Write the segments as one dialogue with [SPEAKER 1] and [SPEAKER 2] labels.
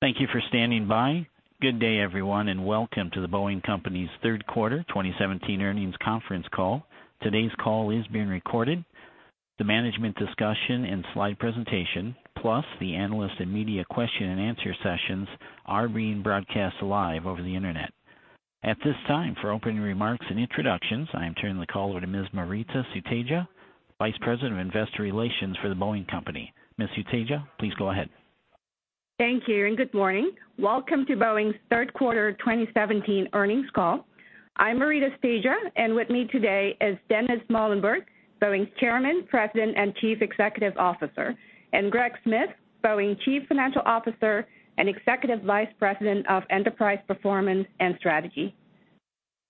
[SPEAKER 1] Thank you for standing by. Good day, everyone, and welcome to The Boeing Company's third quarter 2017 earnings conference call. Today's call is being recorded. The management discussion and slide presentation, plus the analyst and media question and answer sessions are being broadcast live over the internet. At this time, for opening remarks and introductions, I am turning the call over to Ms. Maurita Sutedja, Vice President of Investor Relations for The Boeing Company. Ms. Sutedja, please go ahead.
[SPEAKER 2] Thank you. Good morning. Welcome to Boeing's third quarter 2017 earnings call. I'm Maurita Sutedja, and with me today is Dennis Muilenburg, Boeing's Chairman, President, and Chief Executive Officer, and Greg Smith, Boeing Chief Financial Officer and Executive Vice President of Enterprise Performance and Strategy.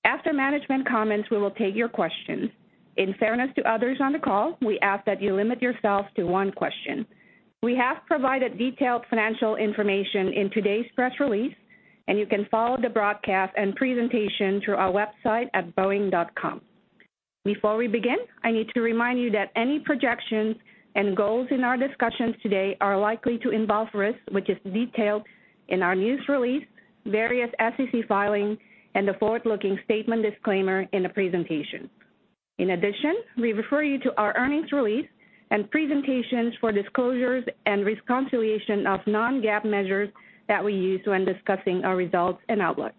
[SPEAKER 2] After management comments, we will take your questions. In fairness to others on the call, we ask that you limit yourself to one question. We have provided detailed financial information in today's press release, and you can follow the broadcast and presentation through our website at boeing.com. Before we begin, I need to remind you that any projections and goals in our discussions today are likely to involve risks, which is detailed in our news release, various SEC filings, and the forward-looking statement disclaimer in the presentation. In addition, we refer you to our earnings release and presentations for disclosures and reconciliation of non-GAAP measures that we use when discussing our results and outlook.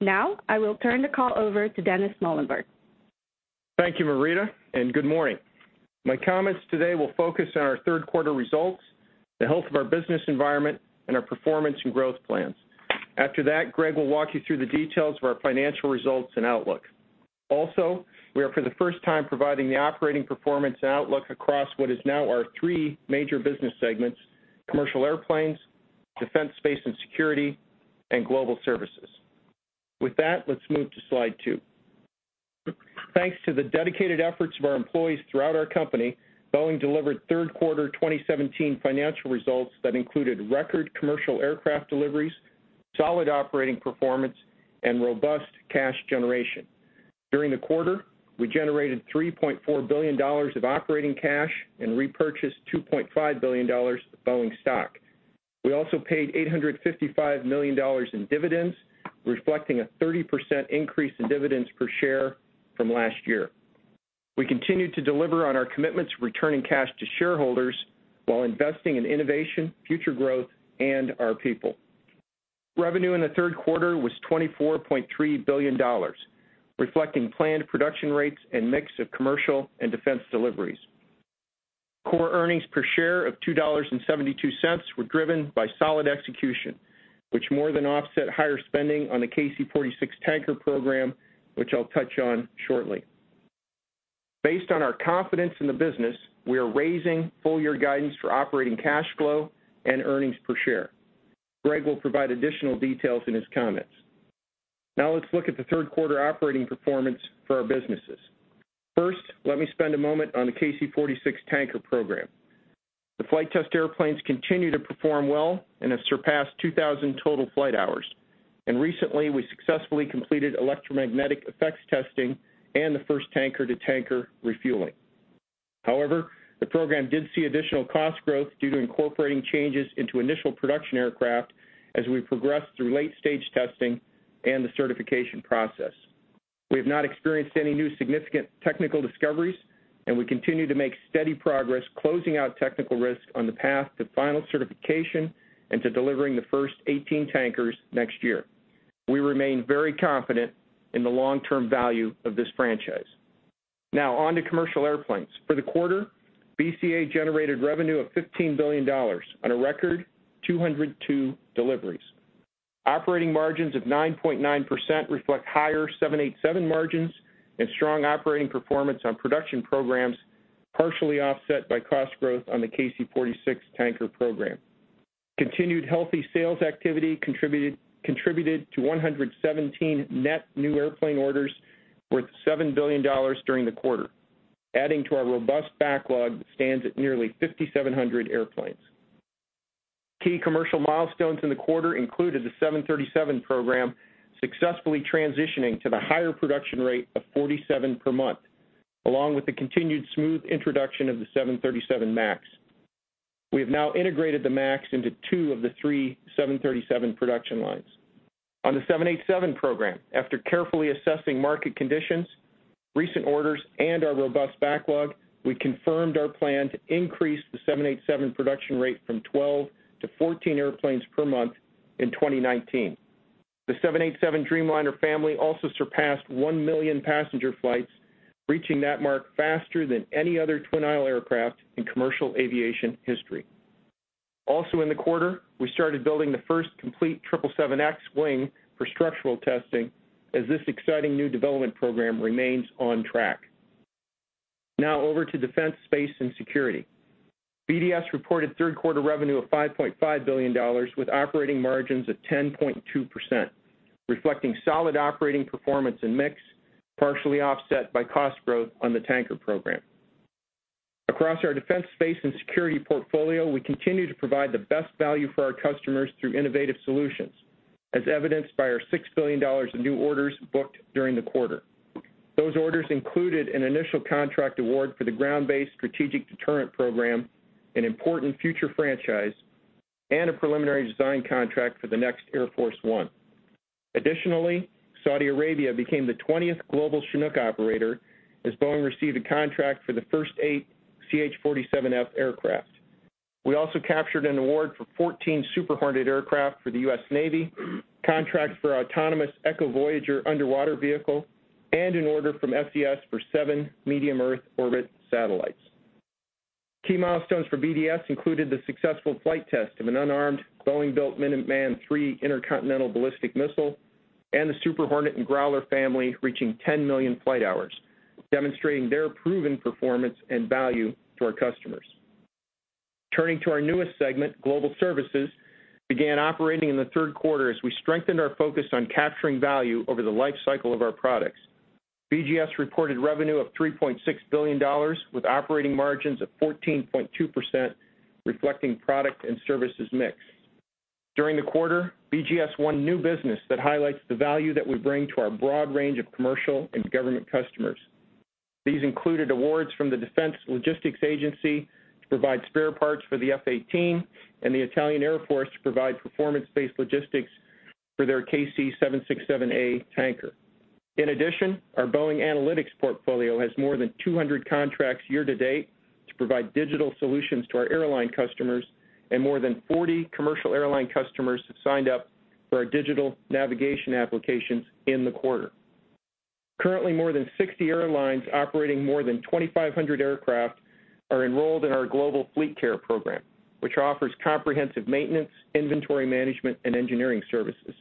[SPEAKER 2] Now, I will turn the call over to Dennis Muilenburg.
[SPEAKER 3] Thank you, Maurita. Good morning. My comments today will focus on our third quarter results, the health of our business environment, and our performance and growth plans. After that, Greg will walk you through the details of our financial results and outlook. Also, we are for the first time providing the operating performance and outlook across what is now our three major business segments, Commercial Airplanes, Defense, Space & Security, and Global Services. With that, let's move to slide two. Thanks to the dedicated efforts of our employees throughout our company, Boeing delivered third quarter 2017 financial results that included record commercial aircraft deliveries, solid operating performance, and robust cash generation. During the quarter, we generated $3.4 billion of operating cash and repurchased $2.5 billion of Boeing stock. We also paid $855 million in dividends, reflecting a 30% increase in dividends per share from last year. We continued to deliver on our commitments returning cash to shareholders while investing in innovation, future growth, and our people. Revenue in the third quarter was $24.3 billion, reflecting planned production rates and mix of commercial and defense deliveries. Core earnings per share of $2.72 were driven by solid execution, which more than offset higher spending on the KC-46 Tanker program, which I'll touch on shortly. Based on our confidence in the business, we are raising full-year guidance for operating cash flow and earnings per share. Greg will provide additional details in his comments. Let's look at the third quarter operating performance for our businesses. Let me spend a moment on the KC-46 Tanker program. The flight test airplanes continue to perform well and have surpassed 2,000 total flight hours. Recently, we successfully completed electromagnetic effects testing and the first tanker-to-tanker refueling. The program did see additional cost growth due to incorporating changes into initial production aircraft as we progress through late-stage testing and the certification process. We have not experienced any new significant technical discoveries, and we continue to make steady progress closing out technical risks on the path to final certification and to delivering the first 18 tankers next year. We remain very confident in the long-term value of this franchise. On to commercial airplanes. For the quarter, BCA generated revenue of $15 billion on a record 202 deliveries. Operating margins of 9.9% reflect higher 787 margins and strong operating performance on production programs, partially offset by cost growth on the KC-46 Tanker program. Continued healthy sales activity contributed to 117 net new airplane orders worth $7 billion during the quarter, adding to our robust backlog that stands at nearly 5,700 airplanes. Key commercial milestones in the quarter included the 737 program successfully transitioning to the higher production rate of 47 per month, along with the continued smooth introduction of the 737 MAX. We have now integrated the MAX into two of the three 737 production lines. On the 787 program, after carefully assessing market conditions, recent orders, and our robust backlog, we confirmed our plan to increase the 787 production rate from 12 to 14 airplanes per month in 2019. The 787 Dreamliner family also surpassed one million passenger flights, reaching that mark faster than any other twin-aisle aircraft in commercial aviation history. In the quarter, we started building the first complete 777X wing for structural testing, as this exciting new development program remains on track. Over to Defense, Space & Security. BDS reported third quarter revenue of $5.5 billion with operating margins of 10.2%, reflecting solid operating performance and mix, partially offset by cost growth on the Tanker program. Across our defense space and security portfolio, we continue to provide the best value for our customers through innovative solutions, as evidenced by our $6 billion in new orders booked during the quarter. Those orders included an initial contract award for the Ground-Based Strategic Deterrent program, an important future franchise, and a preliminary design contract for the next Air Force One. Saudi Arabia became the 20th global Chinook operator as Boeing received a contract for the first eight CH-47F aircraft. Captured an award for 14 Super Hornet aircraft for the U.S. Navy, contracts for our autonomous Echo Voyager underwater vehicle, and an order from SES for seven medium Earth orbit satellites. Key milestones for BDS included the successful flight test of an unarmed Boeing-built Minuteman III intercontinental ballistic missile and the Super Hornet and Growler family reaching 10 million flight hours, demonstrating their proven performance and value to our customers. Turning to our newest segment, Global Services, began operating in the third quarter as we strengthened our focus on capturing value over the life cycle of our products. BGS reported revenue of $3.6 billion with operating margins of 14.2%, reflecting product and services mix. During the quarter, BGS won new business that highlights the value that we bring to our broad range of commercial and government customers. These included awards from the Defense Logistics Agency to provide spare parts for the F-18, and the Italian Air Force to provide performance-based logistics for their KC-767A tanker. In addition, our Boeing AnalytX portfolio has more than 200 contracts year to date to provide digital solutions to our airline customers. More than 40 commercial airline customers have signed up for our digital navigation applications in the quarter. Currently, more than 60 airlines operating more than 2,500 aircraft are enrolled in our Global Fleet Care program, which offers comprehensive maintenance, inventory management, and engineering services.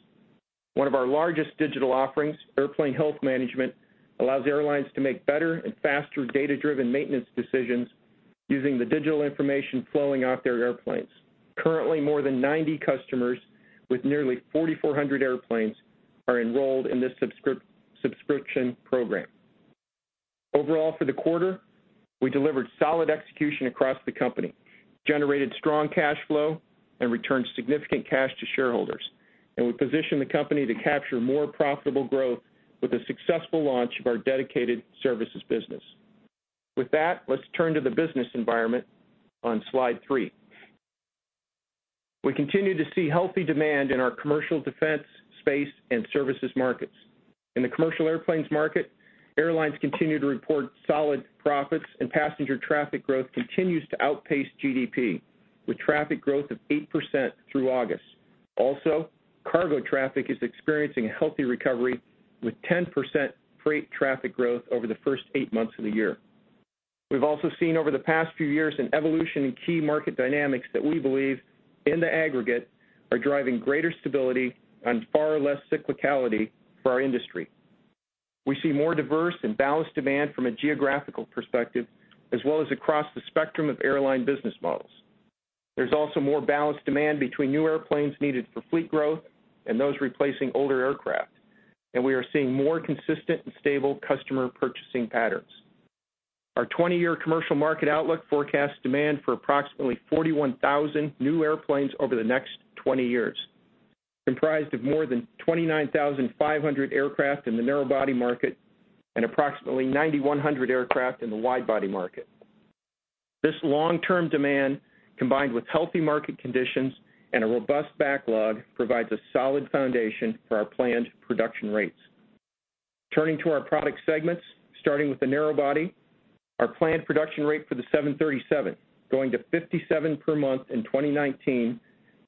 [SPEAKER 3] One of our largest digital offerings, Airplane Health Management, allows airlines to make better and faster data-driven maintenance decisions using the digital information flowing off their airplanes. Currently, more than 90 customers with nearly 4,400 airplanes are enrolled in this subscription program. Overall, for the quarter, we delivered solid execution across the company, generated strong cash flow, and returned significant cash to shareholders. We positioned the company to capture more profitable growth with the successful launch of our dedicated services business. With that, let's turn to the business environment on slide three. We continue to see healthy demand in our commercial defense, space, and services markets. In the commercial airplanes market, airlines continue to report solid profits, passenger traffic growth continues to outpace GDP, with traffic growth of 8% through August. Cargo traffic is experiencing a healthy recovery, with 10% freight traffic growth over the first eight months of the year. We've also seen over the past few years an evolution in key market dynamics that we believe, in the aggregate, are driving greater stability and far less cyclicality for our industry. We see more diverse and balanced demand from a geographical perspective, as well as across the spectrum of airline business models. There's also more balanced demand between new airplanes needed for fleet growth and those replacing older aircraft. We are seeing more consistent and stable customer purchasing patterns. Our 20-year commercial market outlook forecasts demand for approximately 41,000 new airplanes over the next 20 years, comprised of more than 29,500 aircraft in the narrow body market and approximately 9,100 aircraft in the wide body market. This long-term demand, combined with healthy market conditions and a robust backlog, provides a solid foundation for our planned production rates. Turning to our product segments, starting with the narrow body, our planned production rate for the 737, going to 57 per month in 2019,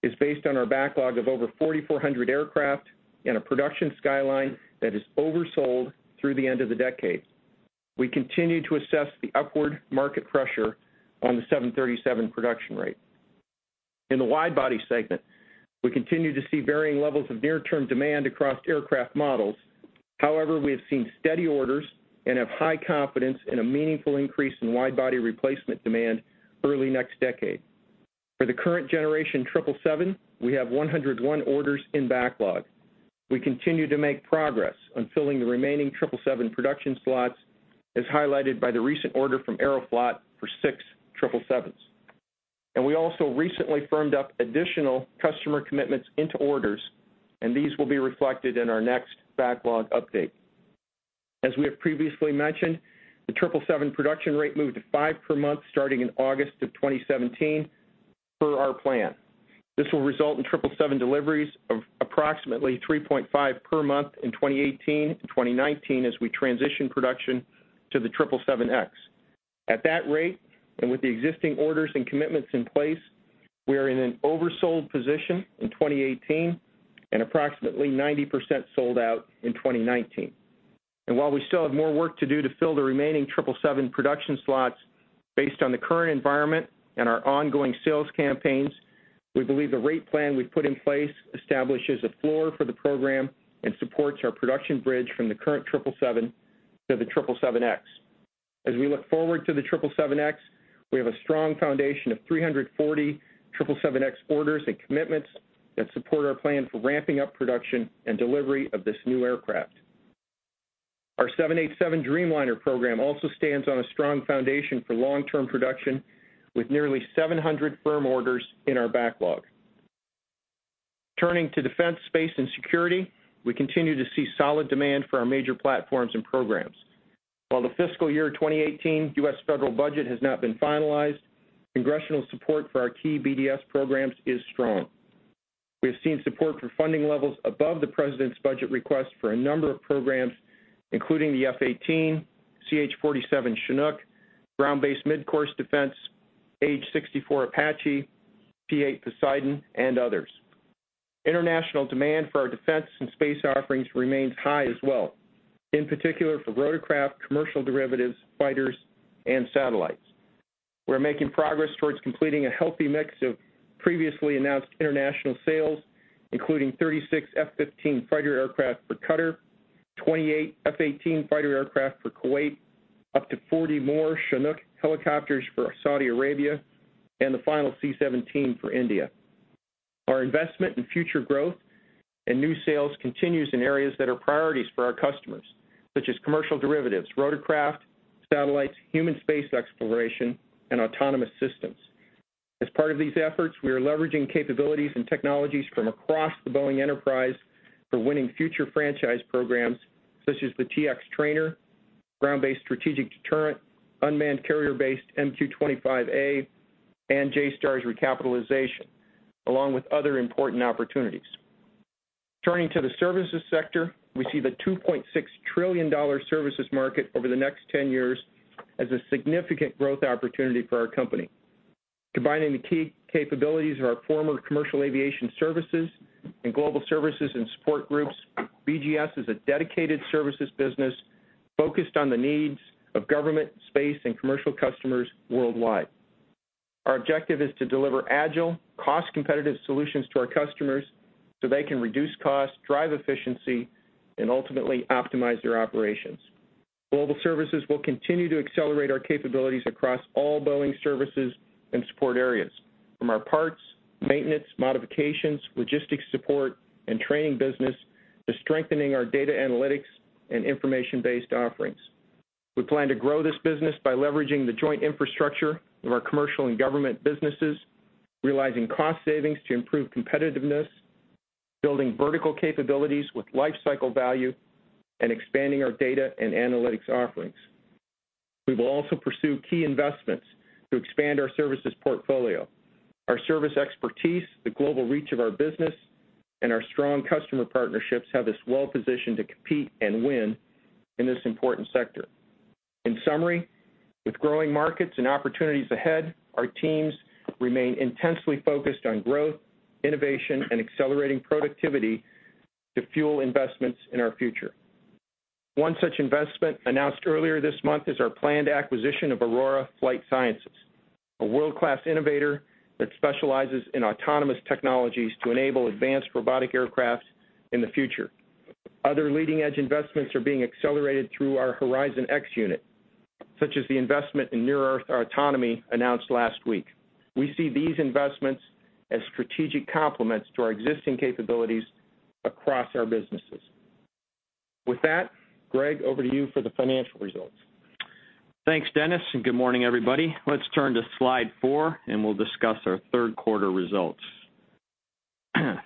[SPEAKER 3] is based on our backlog of over 4,400 aircraft and a production skyline that is oversold through the end of the decade. We continue to assess the upward market pressure on the 737 production rate. In the wide body segment, we continue to see varying levels of near-term demand across aircraft models. However, we have seen steady orders and have high confidence in a meaningful increase in wide body replacement demand early next decade. For the current generation 777, we have 101 orders in backlog. We continue to make progress on filling the remaining 777 production slots, as highlighted by the recent order from Aeroflot for six 777s. We also recently firmed up additional customer commitments into orders, and these will be reflected in our next backlog update. As we have previously mentioned, the 777 production rate moved to five per month starting in August 2017, per our plan. This will result in 777 deliveries of approximately 3.5 per month in 2018 and 2019 as we transition production to the 777X. At that rate, with the existing orders and commitments in place, we are in an oversold position in 2018 and approximately 90% sold out in 2019. While we still have more work to do to fill the remaining 777 production slots, based on the current environment and our ongoing sales campaigns, we believe the rate plan we've put in place establishes a floor for the program and supports our production bridge from the current 777 to the 777X. As we look forward to the 777X, we have a strong foundation of 340 777X orders and commitments that support our plan for ramping up production and delivery of this new aircraft. Our 787 Dreamliner program also stands on a strong foundation for long-term production, with nearly 700 firm orders in our backlog. Turning to Defense, Space & Security, we continue to see solid demand for our major platforms and programs. While the fiscal year 2018 U.S. federal budget has not been finalized, congressional support for our key BDS programs is strong. We have seen support for funding levels above the president's budget request for a number of programs, including the F-18, CH-47 Chinook, Ground-based Midcourse Defense, AH-64 Apache, P-8 Poseidon, and others. International demand for our defense and space offerings remains high as well. In particular, for rotorcraft, commercial derivatives, fighters, and satellites. We're making progress towards completing a healthy mix of previously announced international sales, including 36 F-15 fighter aircraft for Qatar, 28 F-18 fighter aircraft for Kuwait, up to 40 more Chinook helicopters for Saudi Arabia, and the final C-17 for India. Our investment in future growth and new sales continues in areas that are priorities for our customers, such as commercial derivatives, rotorcraft, satellites, human space exploration, and autonomous systems. As part of these efforts, we are leveraging capabilities and technologies from across the Boeing enterprise for winning future franchise programs such as the T-X trainer, Ground-based Strategic Deterrent, unmanned carrier-based MQ-25A, and JSTARS recapitalization, along with other important opportunities. Turning to the services sector, we see the $2.6 trillion services market over the next 10 years as a significant growth opportunity for our company. Combining the key capabilities of our former commercial aviation services and global services and support groups, BGS is a dedicated services business focused on the needs of government, space, and commercial customers worldwide. Our objective is to deliver agile, cost-competitive solutions to our customers so they can reduce costs, drive efficiency, and ultimately optimize their operations. Boeing Global Services will continue to accelerate our capabilities across all Boeing services and support areas, from our parts, maintenance, modifications, logistics support, and training business, to strengthening our data analytics and information-based offerings. We plan to grow this business by leveraging the joint infrastructure of our commercial and government businesses, realizing cost savings to improve competitiveness, building vertical capabilities with life cycle value, and expanding our data and analytics offerings. We will also pursue key investments to expand our services portfolio. Our service expertise, the global reach of our business, and our strong customer partnerships have us well-positioned to compete and win in this important sector. In summary, with growing markets and opportunities ahead, our teams remain intensely focused on growth, innovation, and accelerating productivity to fuel investments in our future. One such investment announced earlier this month is our planned acquisition of Aurora Flight Sciences, a world-class innovator that specializes in autonomous technologies to enable advanced robotic aircraft in the future. Other leading-edge investments are being accelerated through our Boeing HorizonX unit, such as the investment in Near Earth Autonomy announced last week. We see these investments as strategic complements to our existing capabilities across our businesses. With that, Greg, over to you for the financial results.
[SPEAKER 4] Thanks, Dennis, good morning, everybody. Let's turn to slide four and we'll discuss our third quarter results.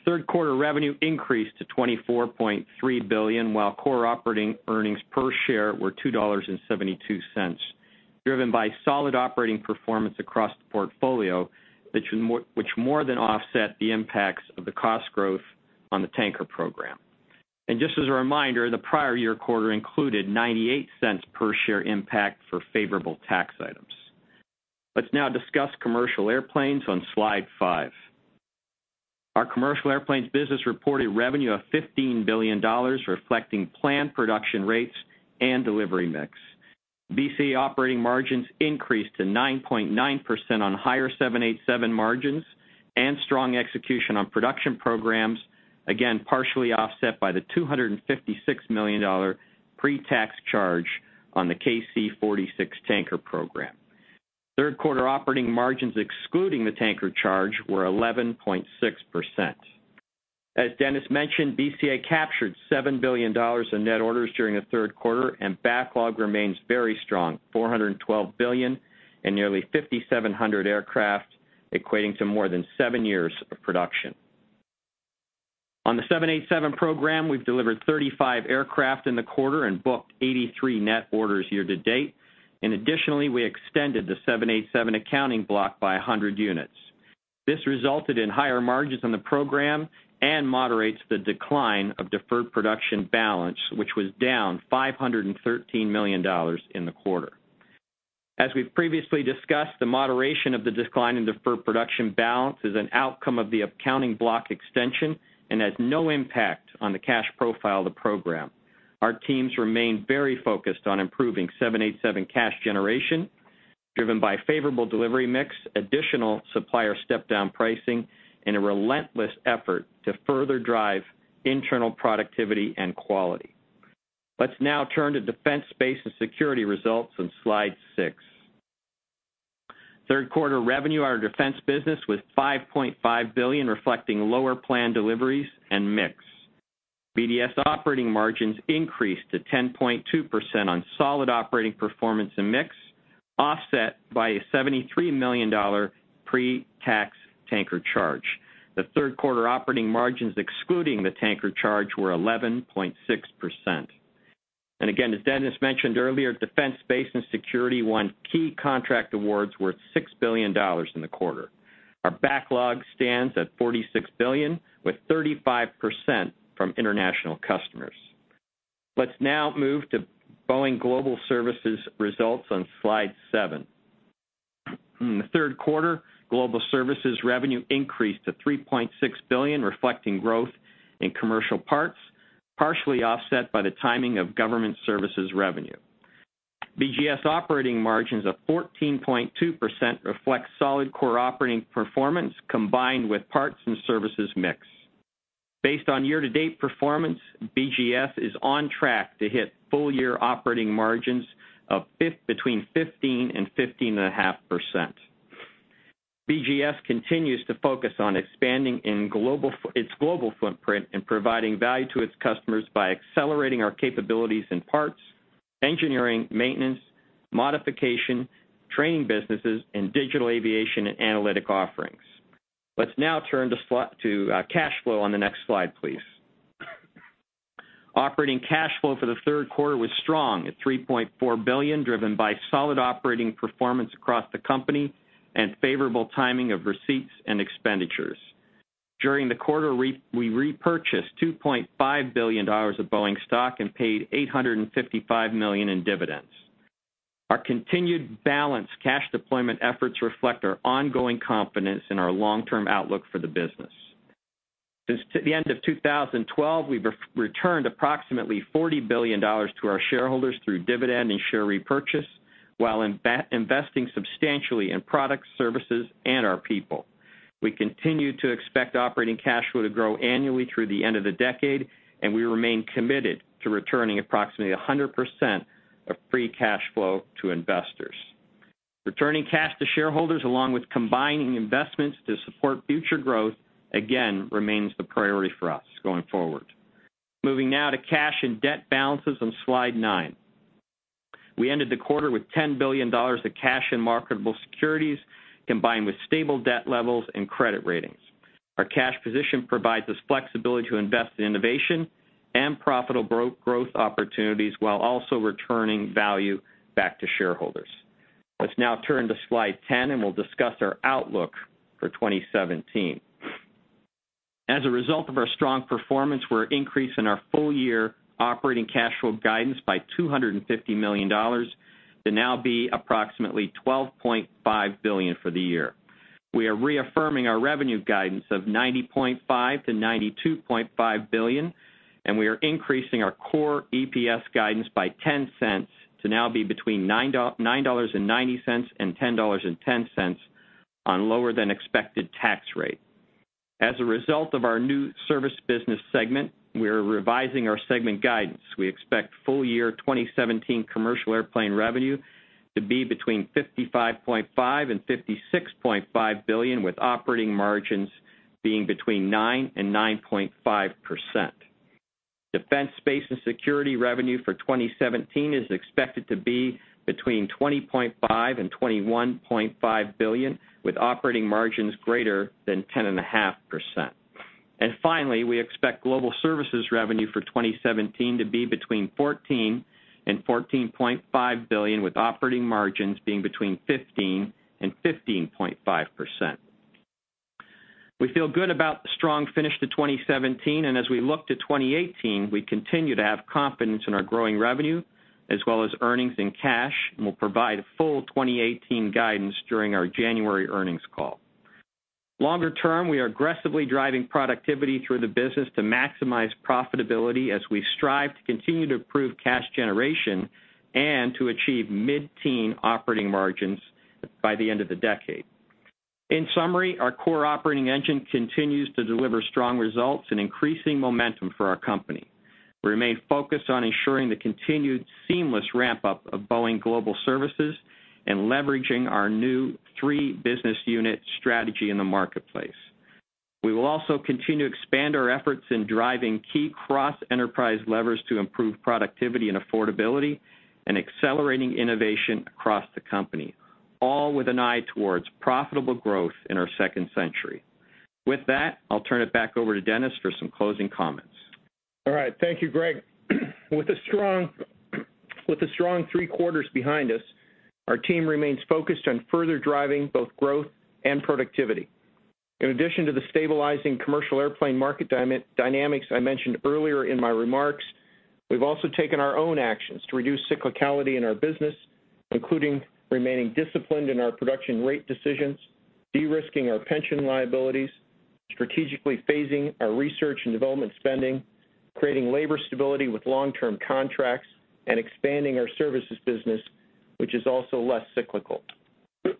[SPEAKER 4] Third quarter revenue increased to $24.3 billion, while core operating earnings per share were $2.72, driven by solid operating performance across the portfolio, which more than offset the impacts of the cost growth on the tanker program. Just as a reminder, the prior year quarter included $0.98 per share impact for favorable tax items. Let's now discuss Commercial Airplanes on Slide 5. Our Commercial Airplanes business reported revenue of $15 billion, reflecting planned production rates and delivery mix. BCA operating margins increased to 9.9% on higher 787 margins and strong execution on production programs, again, partially offset by the $256 million pre-tax charge on the KC-46 tanker program. Third quarter operating margins excluding the tanker charge were 11.6%. As Dennis mentioned, BCA captured $7 billion in net orders during the third quarter. Backlog remains very strong, $412 billion and nearly 5,700 aircraft, equating to more than seven years of production. On the 787 program, we've delivered 35 aircraft in the quarter and booked 83 net orders year to date. Additionally, we extended the 787 accounting block by 100 units. This resulted in higher margins on the program and moderates the decline of deferred production balance, which was down $513 million in the quarter. As we've previously discussed, the moderation of the decline in deferred production balance is an outcome of the accounting block extension and has no impact on the cash profile of the program. Our teams remain very focused on improving 787 cash generation, driven by favorable delivery mix, additional supplier step-down pricing, and a relentless effort to further drive internal productivity and quality. Let's now turn to Defense, Space & Security results on slide 6. Third quarter revenue, our Defense business was $5.5 billion, reflecting lower plan deliveries and mix. BDS operating margins increased to 10.2% on solid operating performance and mix, offset by a $73 million pre-tax tanker charge. The third quarter operating margins, excluding the tanker charge, were 11.6%. As Dennis mentioned earlier, Defense, Space & Security won key contract awards worth $6 billion in the quarter. Our backlog stands at $46 billion, with 35% from international customers. Let's now move to Boeing Global Services results on slide seven. In the third quarter, Global Services revenue increased to $3.6 billion, reflecting growth in commercial parts, partially offset by the timing of government services revenue. BGS operating margins of 14.2% reflect solid core operating performance combined with parts and services mix. Based on year-to-date performance, BGS is on track to hit full-year operating margins of between 15% and 15.5%. BGS continues to focus on expanding its global footprint and providing value to its customers by accelerating our capabilities in parts, engineering, maintenance, modification, training businesses, and digital aviation and analytic offerings. Let's now turn to cash flow on the next slide, please. Operating cash flow for the third quarter was strong at $3.4 billion, driven by solid operating performance across the company and favorable timing of receipts and expenditures. During the quarter, we repurchased $2.5 billion of Boeing stock and paid $855 million in dividends. Our continued balanced cash deployment efforts reflect our ongoing confidence in our long-term outlook for the business. Since the end of 2012, we've returned approximately $40 billion to our shareholders through dividend and share repurchase, while investing substantially in products, services, and our people. We continue to expect operating cash flow to grow annually through the end of the decade. We remain committed to returning approximately 100% of free cash flow to investors. Returning cash to shareholders, along with combining investments to support future growth, again, remains the priority for us going forward. Moving now to cash and debt balances on slide nine. We ended the quarter with $10 billion of cash in marketable securities, combined with stable debt levels and credit ratings. Our cash position provides us flexibility to invest in innovation and profitable growth opportunities while also returning value back to shareholders. Let's now turn to slide 10. We'll discuss our outlook for 2017. As a result of our strong performance, we're increasing our full-year operating cash flow guidance by $250 million to now be approximately $12.5 billion for the year. We are reaffirming our revenue guidance of $90.5 billion to $92.5 billion. We are increasing our core EPS guidance by $0.10 to now be between $9.90 and $10.10 on lower-than-expected tax rate. As a result of our new service business segment, we are revising our segment guidance. We expect full-year 2017 commercial airplane revenue to be between $55.5 billion and $56.5 billion, with operating margins being between 9% and 9.5%. Defense, Space & Security revenue for 2017 is expected to be between $20.5 billion and $21.5 billion, with operating margins greater than 10.5%. Finally, we expect Global Services revenue for 2017 to be between $14 billion and $14.5 billion, with operating margins being between 15% and 15.5%. We feel good about the strong finish to 2017. As we look to 2018, we continue to have confidence in our growing revenue as well as earnings and cash. We'll provide a full 2018 guidance during our January earnings call. Longer term, we are aggressively driving productivity through the business to maximize profitability as we strive to continue to improve cash generation and to achieve mid-teen operating margins by the end of the decade. In summary, our core operating engine continues to deliver strong results and increasing momentum for our company. We remain focused on ensuring the continued seamless ramp-up of Boeing Global Services and leveraging our new three-business unit strategy in the marketplace. We will also continue to expand our efforts in driving key cross-enterprise levers to improve productivity and affordability and accelerating innovation across the company, all with an eye towards profitable growth in our second century. With that, I'll turn it back over to Dennis for some closing comments.
[SPEAKER 3] All right. Thank you, Greg. With a strong three quarters behind us, our team remains focused on further driving both growth and productivity. In addition to the stabilizing commercial airplane market dynamics I mentioned earlier in my remarks, we've also taken our own actions to reduce cyclicality in our business, including remaining disciplined in our production rate decisions, de-risking our pension liabilities, strategically phasing our research and development spending, creating labor stability with long-term contracts, and expanding our services business, which is also less cyclical.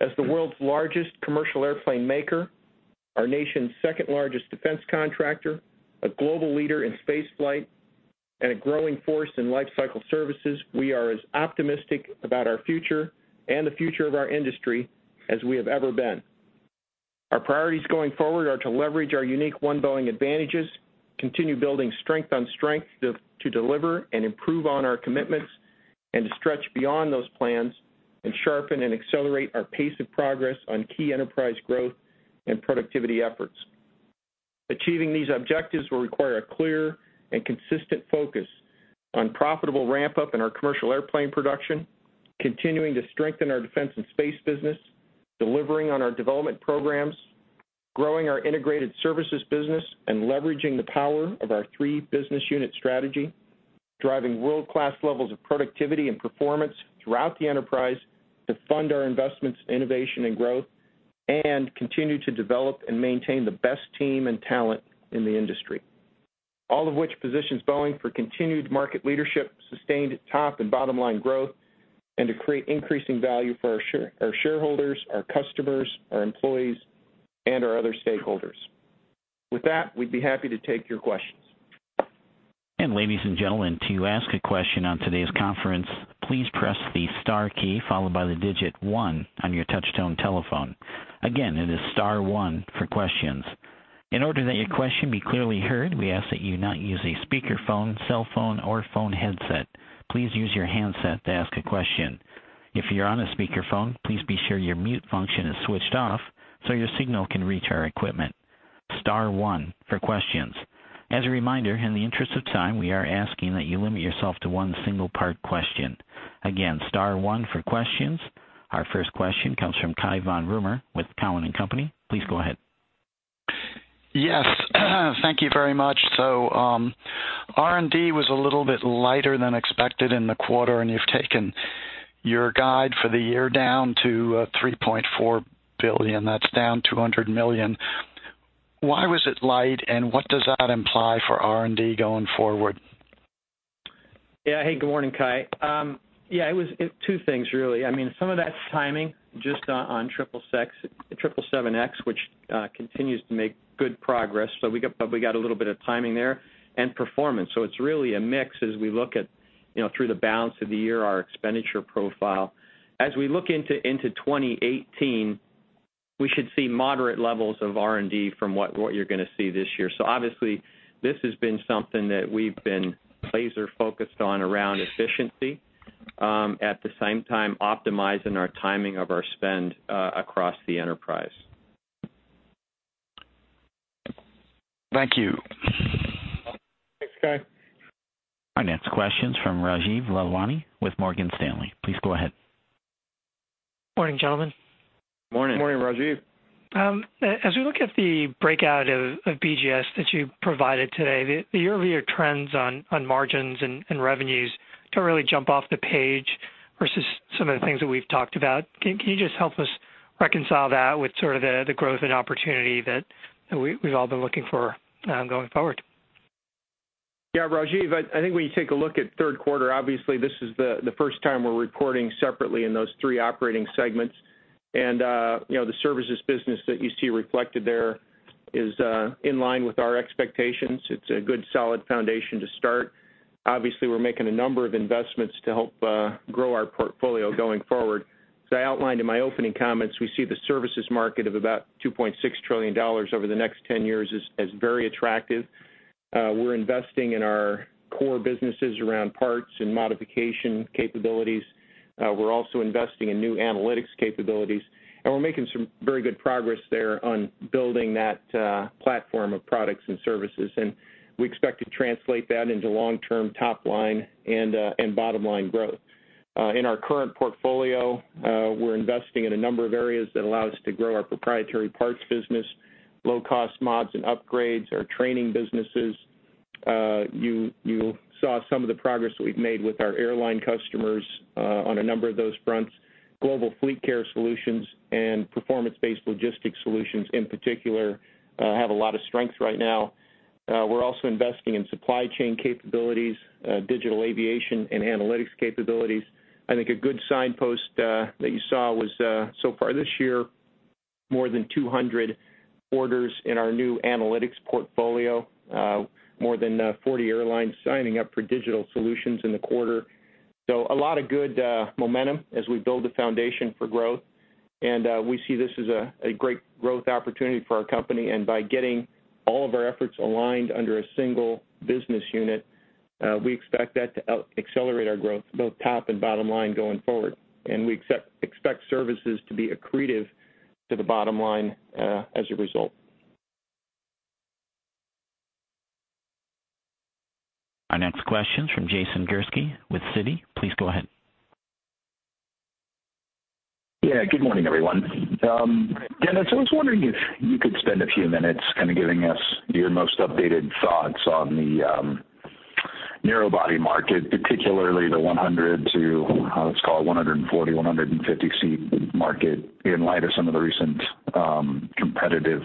[SPEAKER 3] As the world's largest commercial airplane maker, our nation's second-largest defense contractor, a global leader in space flight and a growing force in life cycle services, we are as optimistic about our future and the future of our industry as we have ever been. Our priorities going forward are to leverage our unique One Boeing advantages, continue building strength on strength to deliver and improve on our commitments, and to stretch beyond those plans and sharpen and accelerate our pace of progress on key enterprise growth and productivity efforts. Achieving these objectives will require a clear and consistent focus on profitable ramp-up in our commercial airplane production, continuing to strengthen our defense and space business, delivering on our development programs, growing our integrated services business, and leveraging the power of our three business unit strategy, driving world-class levels of productivity and performance throughout the enterprise to fund our investments in innovation and growth, and continue to develop and maintain the best team and talent in the industry. All of which positions Boeing for continued market leadership, sustained top and bottom-line growth, and to create increasing value for our shareholders, our customers, our employees, and our other stakeholders. With that, we'd be happy to take your questions.
[SPEAKER 1] Ladies and gentlemen, to ask a question on today's conference, please press the star key followed by the digit 1 on your touchtone telephone. Again, it is star 1 for questions. In order that your question be clearly heard, we ask that you not use a speakerphone, cell phone, or phone headset. Please use your handset to ask a question. If you are on a speakerphone, please be sure your mute function is switched off so your signal can reach our equipment. Star 1 for questions. As a reminder, in the interest of time, we are asking that you limit yourself to 1 single part question. Again, star 1 for questions. Our first question comes from Cai von Rumohr with Cowen and Company. Please go ahead.
[SPEAKER 5] Thank you very much. R&D was a little bit lighter than expected in the quarter, and you have taken your guide for the year down to $3.4 billion. That is down $200 million. Why was it light, and what does that imply for R&D going forward?
[SPEAKER 4] Hey, good morning, Cai. It was two things, really. Some of that is timing just on 777X, which continues to make good progress. So we probably got a little bit of timing there, and performance. So it is really a mix as we look at through the balance of the year, our expenditure profile. As we look into 2018, we should see moderate levels of R&D from what you are going to see this year. Obviously, this has been something that we have been laser focused on around efficiency. At the same time, optimizing our timing of our spend across the enterprise.
[SPEAKER 5] Thank you.
[SPEAKER 3] Thanks, Cai.
[SPEAKER 1] Our next question's from Rajeev Lalwani with Morgan Stanley. Please go ahead.
[SPEAKER 6] Morning, gentlemen.
[SPEAKER 3] Morning.
[SPEAKER 4] Morning, Rajeev.
[SPEAKER 6] As we look at the breakout of BGS that you provided today, the year-over-year trends on margins and revenues don't really jump off the page versus some of the things that we've talked about. Can you just help us reconcile that with sort of the growth and opportunity that we've all been looking for going forward?
[SPEAKER 3] Yeah, Rajeev. I think when you take a look at third quarter, obviously, this is the first time we're reporting separately in those three operating segments. The services business that you see reflected there is in line with our expectations. It's a good, solid foundation to start. Obviously, we're making a number of investments to help grow our portfolio going forward. As I outlined in my opening comments, we see the services market of about $2.6 trillion over the next 10 years as very attractive. We're investing in our core businesses around parts and modification capabilities. We're also investing in new analytics capabilities, and we're making some very good progress there on building that platform of products and services. We expect to translate that into long-term top-line and bottom-line growth. In our current portfolio, we're investing in a number of areas that allow us to grow our proprietary parts business, low cost mods and upgrades, our training businesses. You saw some of the progress that we've made with our airline customers on a number of those fronts. Global fleet care solutions and performance-based logistics solutions in particular, have a lot of strength right now. We're also investing in supply chain capabilities, digital aviation, and analytics capabilities. I think a good signpost that you saw was, so far this year, more than 200 orders in our new analytics portfolio. More than 40 airlines signing up for digital solutions in the quarter. A lot of good momentum as we build the foundation for growth. We see this as a great growth opportunity for our company. By getting all of our efforts aligned under a single business unit, we expect that to accelerate our growth, both top and bottom line going forward. We expect services to be accretive to the bottom line as a result.
[SPEAKER 1] Our next question is from Jason Gursky with Citi. Please go ahead.
[SPEAKER 7] Yeah. Good morning, everyone. Dennis, I was wondering if you could spend a few minutes kind of giving us your most updated thoughts on the narrow-body market, particularly the 100 to, let's call it 140, 150 seat market, in light of some of the recent competitive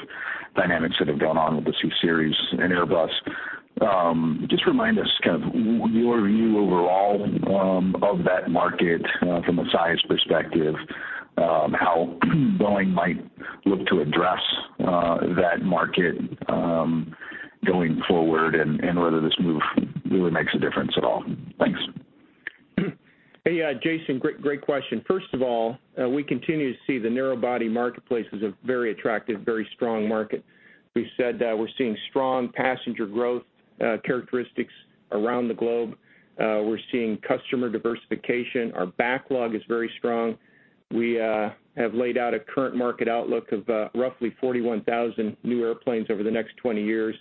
[SPEAKER 7] dynamics that have gone on with the CSeries and Airbus. Just remind us kind of your view overall of that market from a size perspective. How Boeing might look to address that market going forward, and whether this move really makes a difference at all? Thanks.
[SPEAKER 3] Jason, great question. First of all, we continue to see the narrow-body marketplace as a very attractive, very strong market. We've said that we're seeing strong passenger growth characteristics around the globe. We're seeing customer diversification. Our backlog is very strong. We have laid out a current market outlook of roughly 41,000 new airplanes over the next 20 years,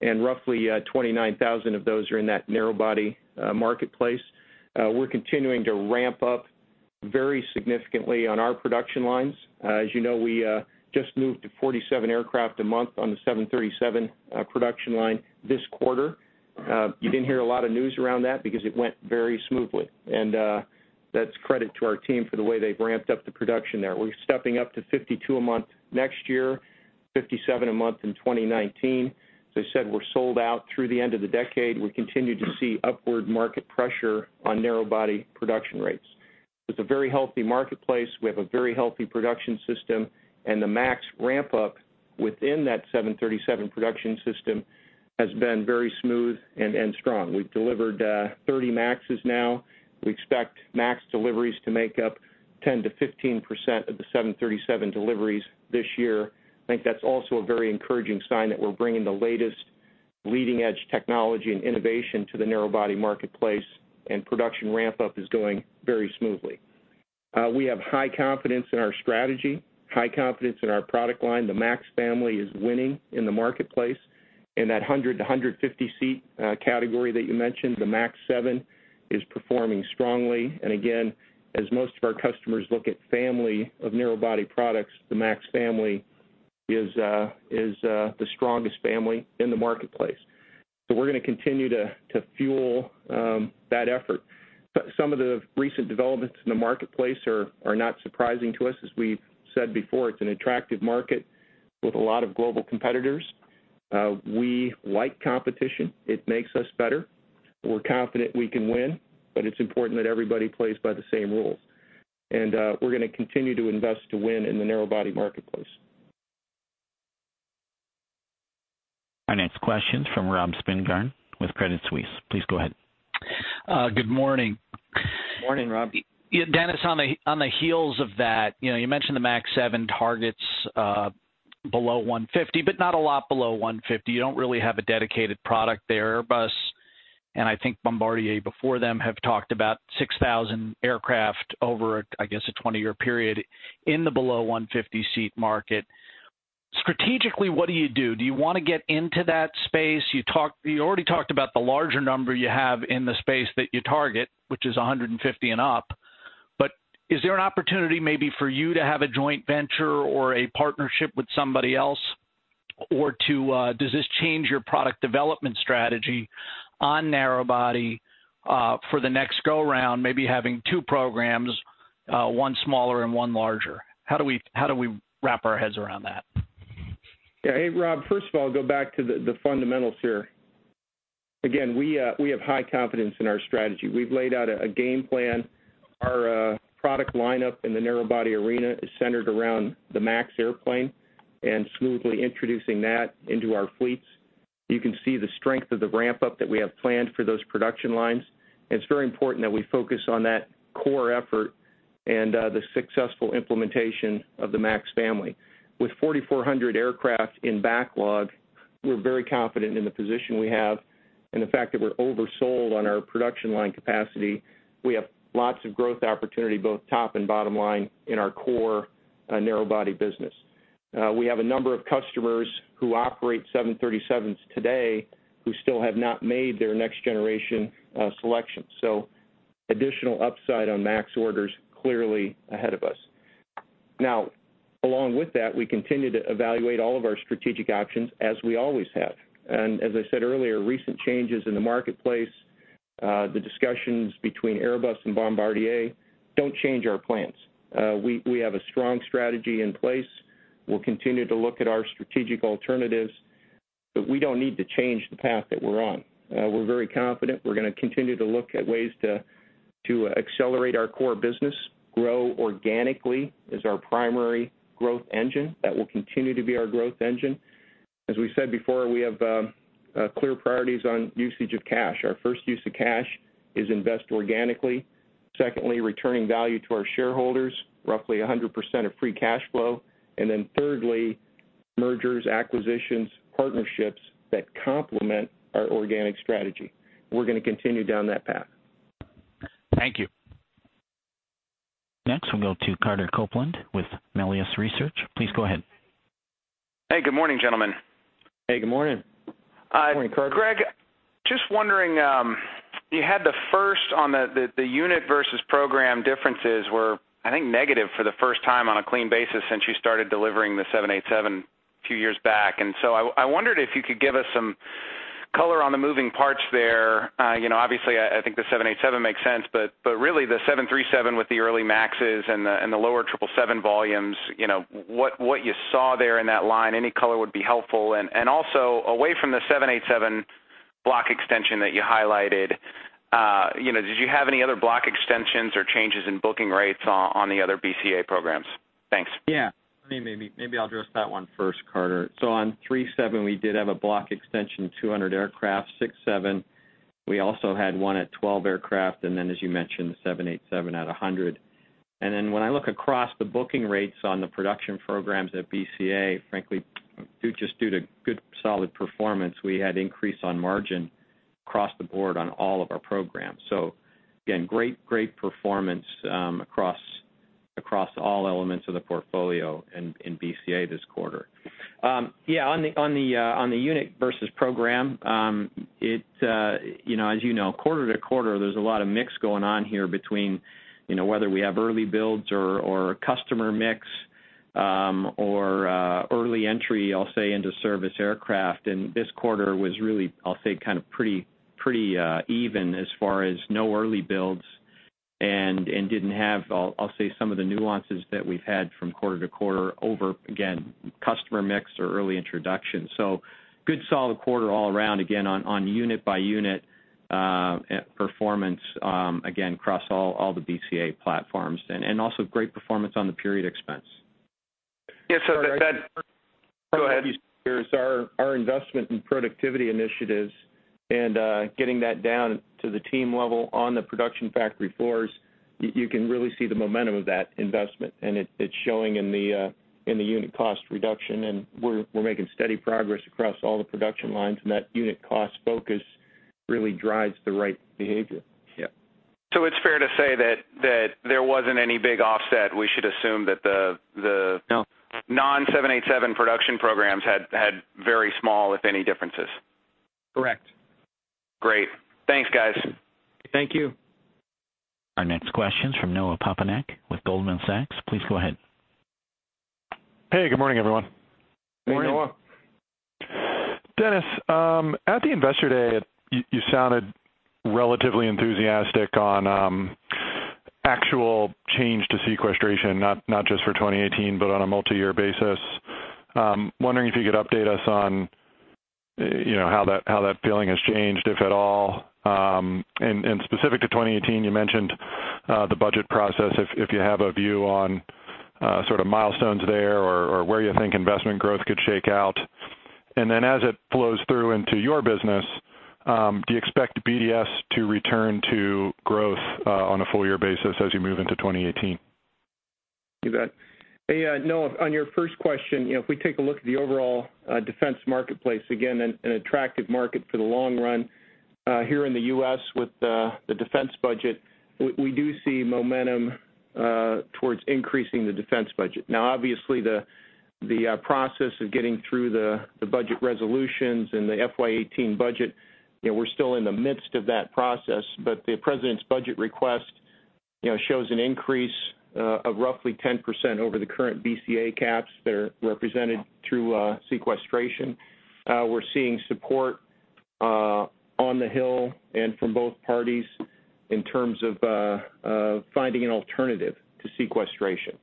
[SPEAKER 3] and roughly 29,000 of those are in that narrow-body marketplace. We're continuing to ramp up very significantly on our production lines. As you know, we just moved to 47 aircraft a month on the 737 production line this quarter. You didn't hear a lot of news around that because it went very smoothly, and that's credit to our team for the way they've ramped up the production there. We're stepping up to 52 a month next year, 57 a month in 2019. As I said, we're sold out through the end of the decade. We continue to see upward market pressure on narrow-body production rates. It's a very healthy marketplace. We have a very healthy production system, and the MAX ramp-up within that 737 production system has been very smooth and strong. We've delivered 30 MAXes now. We expect MAX deliveries to make up 10%-15% of the 737 deliveries this year. I think that's also a very encouraging sign that we're bringing the latest leading-edge technology and innovation to the narrow-body marketplace, and production ramp-up is going very smoothly. We have high confidence in our strategy, high confidence in our product line. The MAX family is winning in the marketplace. In that 100-150-seat category that you mentioned, the MAX 7 is performing strongly. Again, as most of our customers look at family of narrow-body products, the MAX family is the strongest family in the marketplace. We're going to continue to fuel that effort. Some of the recent developments in the marketplace are not surprising to us. As we've said before, it's an attractive market with a lot of global competitors. We like competition. It makes us better. We're confident we can win, but it's important that everybody plays by the same rules. We're going to continue to invest to win in the narrow-body marketplace.
[SPEAKER 1] Our next question's from Robert Spingarn with Credit Suisse. Please go ahead.
[SPEAKER 8] Good morning.
[SPEAKER 3] Morning, Rob.
[SPEAKER 8] Dennis, on the heels of that, you mentioned the MAX 7 targets below 150, but not a lot below 150. You don't really have a dedicated product there. Airbus, and I think Bombardier before them, have talked about 6,000 aircraft over, I guess, a 20-year period in the below 150-seat market. Strategically, what do you do? Do you want to get into that space? You already talked about the larger number you have in the space that you target, which is 150 and up, but is there an opportunity maybe for you to have a joint venture or a partnership with somebody else? Or does this change your product development strategy on narrow body for the next go round, maybe having two programs, one smaller and one larger? How do we wrap our heads around that?
[SPEAKER 3] Hey, Rob, first of all, go back to the fundamentals here. Again, we have high confidence in our strategy. We've laid out a game plan. Our product lineup in the narrow body arena is centered around the MAX airplane and smoothly introducing that into our fleets. You can see the strength of the ramp-up that we have planned for those production lines, and it's very important that we focus on that core effort and the successful implementation of the MAX family. With 4,400 aircraft in backlog, we're very confident in the position we have, and the fact that we're oversold on our production line capacity. We have lots of growth opportunity, both top and bottom line, in our core narrow body business. We have a number of customers who operate 737s today who still have not made their next generation selection. Additional upside on MAX orders clearly ahead of us. Now, along with that, we continue to evaluate all of our strategic options as we always have. As I said earlier, recent changes in the marketplace, the discussions between Airbus and Bombardier, don't change our plans. We have a strong strategy in place. We'll continue to look at our strategic alternatives, but we don't need to change the path that we're on. We're very confident. We're going to continue to look at ways to accelerate our core business, grow organically as our primary growth engine. That will continue to be our growth engine. As we said before, we have clear priorities on usage of cash. Our first use of cash is invest organically. Secondly, returning value to our shareholders, roughly 100% of free cash flow. Thirdly, mergers, acquisitions, partnerships that complement our organic strategy. We're going to continue down that path.
[SPEAKER 8] Thank you.
[SPEAKER 1] Next, we'll go to Carter Copeland with Melius Research. Please go ahead.
[SPEAKER 9] Hey, good morning, gentlemen.
[SPEAKER 3] Hey, good morning.
[SPEAKER 4] Morning, Carter.
[SPEAKER 9] Greg, just wondering, you had the first on the unit versus program differences were, I think, negative for the first time on a clean basis since you started delivering the 787 a few years back. I wondered if you could give us some color on the moving parts there. Obviously, I think the 787 makes sense, but really the 737 with the early MAXes and the lower 777 volumes, what you saw there in that line, any color would be helpful. Away from the 787 Block extension that you highlighted. Did you have any other block extensions or changes in booking rates on the other BCA programs? Thanks.
[SPEAKER 4] Maybe I'll address that one first, Carter. On 737, we did have a block extension, 200 aircraft. 767, we also had one at 12 aircraft, and then as you mentioned, the 787 at 100. When I look across the booking rates on the production programs at BCA, frankly, just due to good solid performance, we had increase on margin across the board on all of our programs. Again, great performance across all elements of the portfolio in BCA this quarter. On the unit versus program, as you know, quarter-to-quarter, there's a lot of mix going on here between whether we have early builds or customer mix or early entry, I'll say, into service aircraft. This quarter was really, I'll say, kind of pretty even as far as no early builds and didn't have, I'll say, some of the nuances that we've had from quarter-to-quarter over, again, customer mix or early introduction. Good solid quarter all around, again, on unit-by-unit performance, again, across all the BCA platforms. Also great performance on the period expense.
[SPEAKER 9] Yes.
[SPEAKER 4] Go ahead. Our investment in productivity initiatives and getting that down to the team level on the production factory floors, you can really see the momentum of that investment, and it's showing in the unit cost reduction, and we're making steady progress across all the production lines, and that unit cost focus really drives the right behavior.
[SPEAKER 9] Yeah. It's fair to say that there wasn't any big offset. We should assume that.
[SPEAKER 4] No
[SPEAKER 9] non-787 production programs had very small, if any, differences.
[SPEAKER 4] Correct.
[SPEAKER 9] Great. Thanks, guys.
[SPEAKER 4] Thank you.
[SPEAKER 1] Our next question's from Noah Poponak with Goldman Sachs. Please go ahead.
[SPEAKER 10] Hey, good morning, everyone.
[SPEAKER 4] Morning.
[SPEAKER 3] Hey, Noah.
[SPEAKER 10] Dennis, at the Investor Day, you sounded relatively enthusiastic on actual change to sequestration, not just for 2018, but on a multi-year basis. I'm wondering if you could update us on how that feeling has changed, if at all. Specific to 2018, you mentioned the budget process, if you have a view on sort of milestones there or where you think investment growth could shake out. Then as it flows through into your business, do you expect BDS to return to growth on a full year basis as you move into 2018?
[SPEAKER 4] You bet. Hey, Noah, on your first question, if we take a look at the overall defense marketplace, again, an attractive market for the long run. Here in the U.S. with the defense budget, we do see momentum towards increasing the defense budget. Now, obviously, the process of getting through the budget resolutions and the FY 2018 budget, we're still in the midst of that process, but the president's budget request shows an increase of roughly 10% over the current BCA caps that are represented through sequestration. We're seeing support on the Hill and from both parties in terms of finding an alternative to sequestration.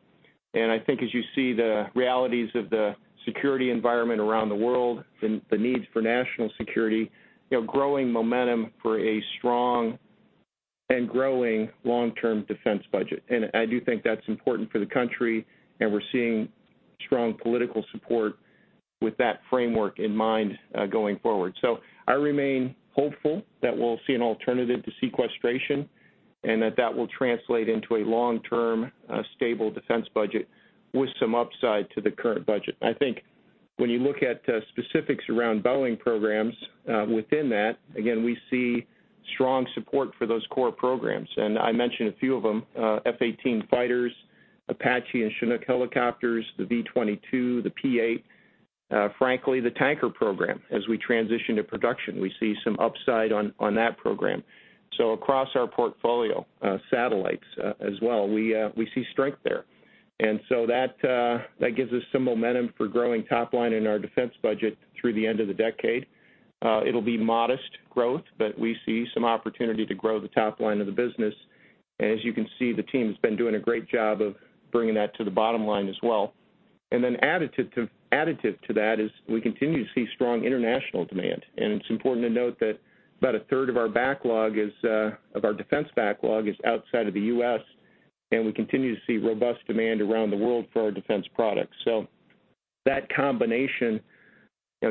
[SPEAKER 4] I think as you see the realities of the security environment around the world, the needs for national security, growing momentum for a strong and growing long-term defense budget. I do think that's important for the country, and we're seeing strong political support with that framework in mind going forward. I remain hopeful that we'll see an alternative to sequestration, and that that will translate into a long-term, stable defense budget with some upside to the current budget. I think when you look at specifics around Boeing programs within that, again, we see strong support for those core programs. I mentioned a few of them, F-18 fighters, Apache and Chinook helicopters, the V-22, the P-8. Frankly, the tanker program, as we transition to production, we see some upside on that program. Across our portfolio, satellites as well, we see strength there. That gives us some momentum for growing top line in our defense budget through the end of the decade. It'll be modest growth, but we see some opportunity to grow the top line of the business. As you can see, the team's been doing a great job of bringing that to the bottom line as well. Additive to that is we continue to see strong international demand. It's important to note that about a third of our defense backlog is outside of the U.S., and we continue to see robust demand around the world for our defense products. That combination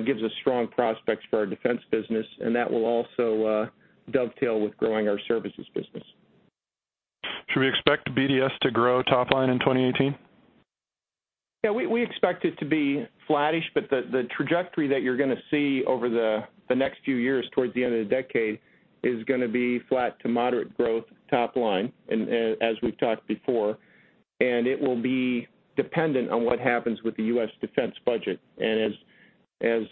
[SPEAKER 4] gives us strong prospects for our defense business, and that will also dovetail with growing our services business.
[SPEAKER 10] Should we expect BDS to grow top line in 2018?
[SPEAKER 4] Yeah, we expect it to be flattish, but the trajectory that you're going to see over the next few years towards the end of the decade is going to be flat to moderate growth top line, as we've talked before. It will be dependent on what happens with the U.S. defense budget. As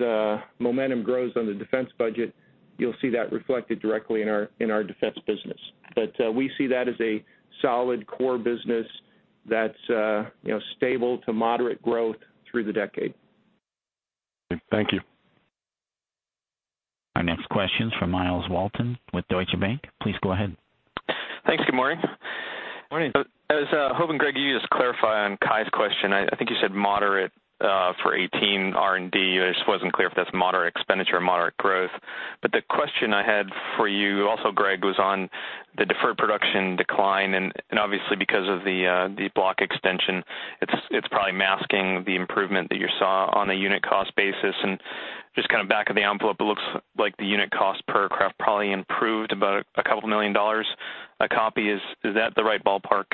[SPEAKER 4] momentum grows on the defense budget, you'll see that reflected directly in our defense business. We see that as a solid core business that's stable to moderate growth through the decade.
[SPEAKER 10] Thank you.
[SPEAKER 1] Our next question's from Myles Walton with Deutsche Bank. Please go ahead.
[SPEAKER 11] Thanks. Good morning.
[SPEAKER 3] Morning.
[SPEAKER 11] I was hoping, Greg, you just clarify on Cai's question, I think you said moderate, for 2018 R&D. I just wasn't clear if that's moderate expenditure or moderate growth. The question I had for you also, Greg, was on the deferred production decline and obviously because of the block extension, it's probably masking the improvement that you saw on a unit cost basis. Just kind of back of the envelope, it looks like the unit cost per craft probably improved about a couple million dollars a copy. Is that the right ballpark?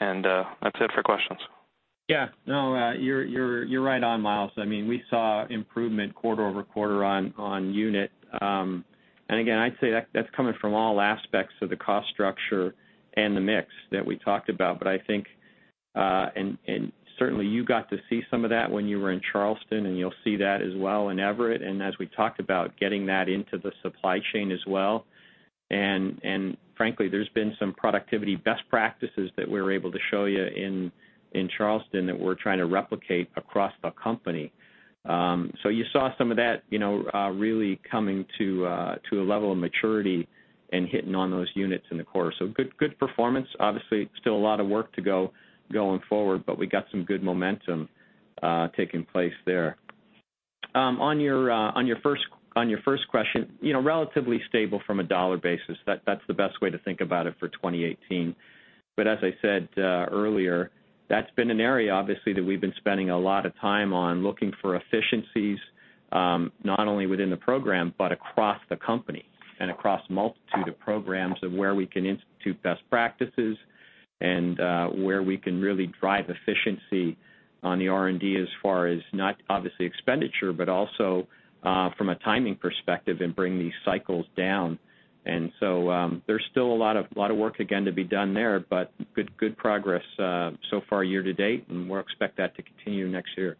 [SPEAKER 11] That's it for questions.
[SPEAKER 4] No, you're right on, Myles. We saw improvement quarter-over-quarter on unit. Again, I'd say that's coming from all aspects of the cost structure and the mix that we talked about. I think, certainly you got to see some of that when you were in Charleston, and you'll see that as well in Everett and as we talked about getting that into the supply chain as well, and frankly, there's been some productivity best practices that we're able to show you in Charleston that we're trying to replicate across the company. You saw some of that really coming to a level of maturity and hitting on those units in the quarter. Good performance. Obviously, still a lot of work to go going forward, we got some good momentum taking place there. On your first question, relatively stable from a dollar basis. That's the best way to think about it for 2018. As I said earlier, that's been an area, obviously, that we've been spending a lot of time on, looking for efficiencies, not only within the program, but across the company and across multitude of programs of where we can institute best practices and where we can really drive efficiency on the R&D as far as not obviously expenditure, but also, from a timing perspective and bring these cycles down. There's still a lot of work again to be done there, but good progress so far year to date, and we'll expect that to continue next year.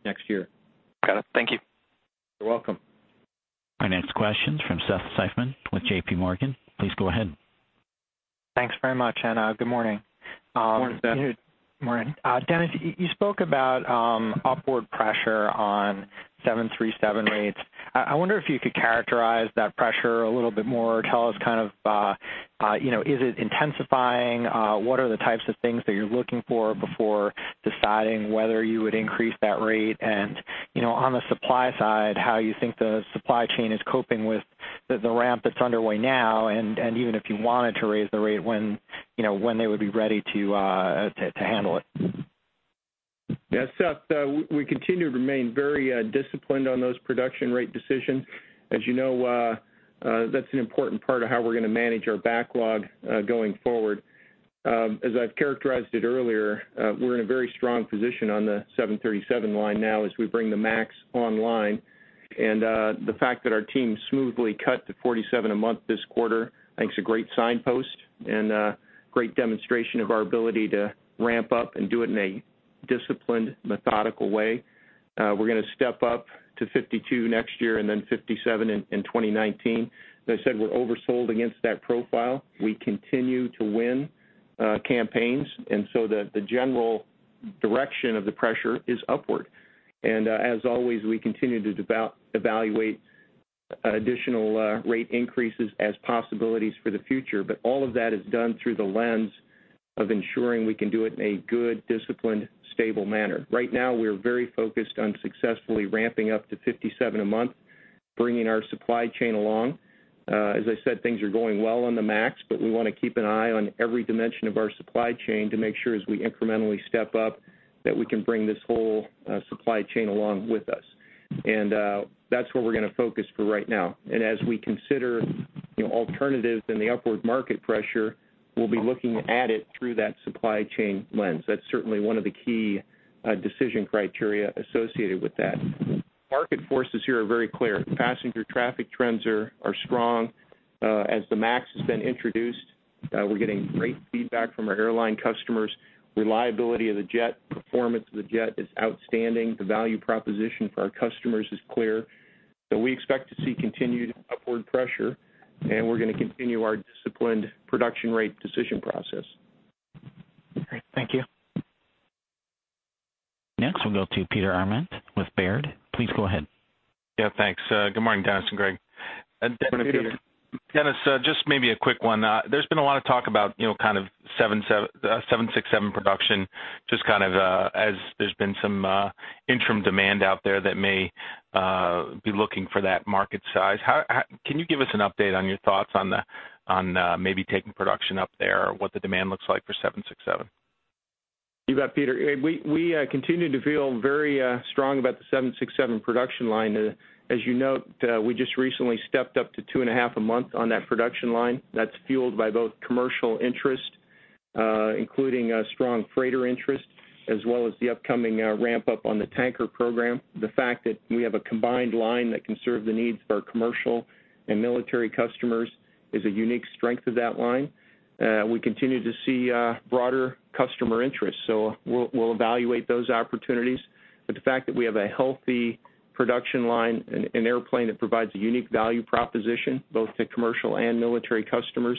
[SPEAKER 11] Got it. Thank you.
[SPEAKER 4] You're welcome.
[SPEAKER 1] Our next question's from Seth Seifman with JPMorgan. Please go ahead.
[SPEAKER 12] Thanks very much, good morning.
[SPEAKER 4] Morning, Seth.
[SPEAKER 12] Morning. Dennis, you spoke about upward pressure on 737 rates. I wonder if you could characterize that pressure a little bit more or tell us, is it intensifying? What are the types of things that you're looking for before deciding whether you would increase that rate? On the supply side, how you think the supply chain is coping with the ramp that's underway now, and even if you wanted to raise the rate, when they would be ready to handle it?
[SPEAKER 3] Yeah, Seth, we continue to remain very disciplined on those production rate decisions. As you know, that's an important part of how we're going to manage our backlog going forward. As I've characterized it earlier, we're in a very strong position on the 737 line now as we bring the MAX online, the fact that our team smoothly cut to 47 a month this quarter, I think it's a great signpost and a great demonstration of our ability to ramp up and do it in a disciplined, methodical way. We're going to step up to 52 next year and then 57 in 2019. As I said, we're oversold against that profile. We continue to win campaigns, so the general direction of the pressure is upward. As always, we continue to evaluate additional rate increases as possibilities for the future. All of that is done through the lens of ensuring we can do it in a good, disciplined, stable manner. Right now, we're very focused on successfully ramping up to 57 a month, bringing our supply chain along. As I said, things are going well on the MAX, but we want to keep an eye on every dimension of our supply chain to make sure as we incrementally step up, that we can bring this whole supply chain along with us. That's where we're going to focus for right now. As we consider alternatives and the upward market pressure, we'll be looking at it through that supply chain lens. That's certainly one of the key decision criteria associated with that. Market forces here are very clear. Passenger traffic trends are strong. As the MAX has been introduced, we're getting great feedback from our airline customers. Reliability of the jet, performance of the jet is outstanding. The value proposition for our customers is clear. We expect to see continued upward pressure, and we're going to continue our disciplined production rate decision process.
[SPEAKER 12] Great. Thank you.
[SPEAKER 1] Next, we'll go to Peter Arment with Baird. Please go ahead.
[SPEAKER 13] Yeah, thanks. Good morning, Dennis and Greg.
[SPEAKER 3] Good morning, Peter.
[SPEAKER 13] Dennis, just maybe a quick one. There's been a lot of talk about 767 production, just as there's been some interim demand out there that may be looking for that market size. Can you give us an update on your thoughts on maybe taking production up there or what the demand looks like for 767?
[SPEAKER 3] You bet, Peter. We continue to feel very strong about the 767 production line. As you note, we just recently stepped up to two and a half a month on that production line. That's fueled by both commercial interest, including strong freighter interest as well as the upcoming ramp-up on the tanker program. The fact that we have a combined line that can serve the needs of our commercial and military customers is a unique strength of that line. We continue to see broader customer interest, so we'll evaluate those opportunities. The fact that we have a healthy production line and an airplane that provides a unique value proposition both to commercial and military customers,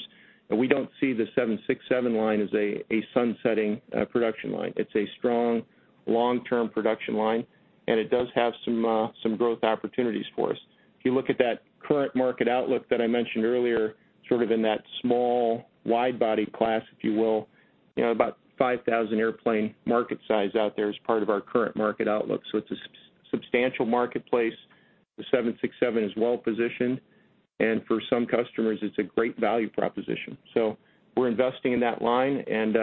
[SPEAKER 3] we don't see the 767 line as a sun-setting production line. It's a strong long-term production line, and it does have some growth opportunities for us. If you look at that current market outlook that I mentioned earlier, sort of in that small wide body class, if you will, about 5,000 airplane market size out there as part of our current market outlook. It's a substantial marketplace. The 767 is well positioned, and for some customers, it's a great value proposition. We're investing in that line, and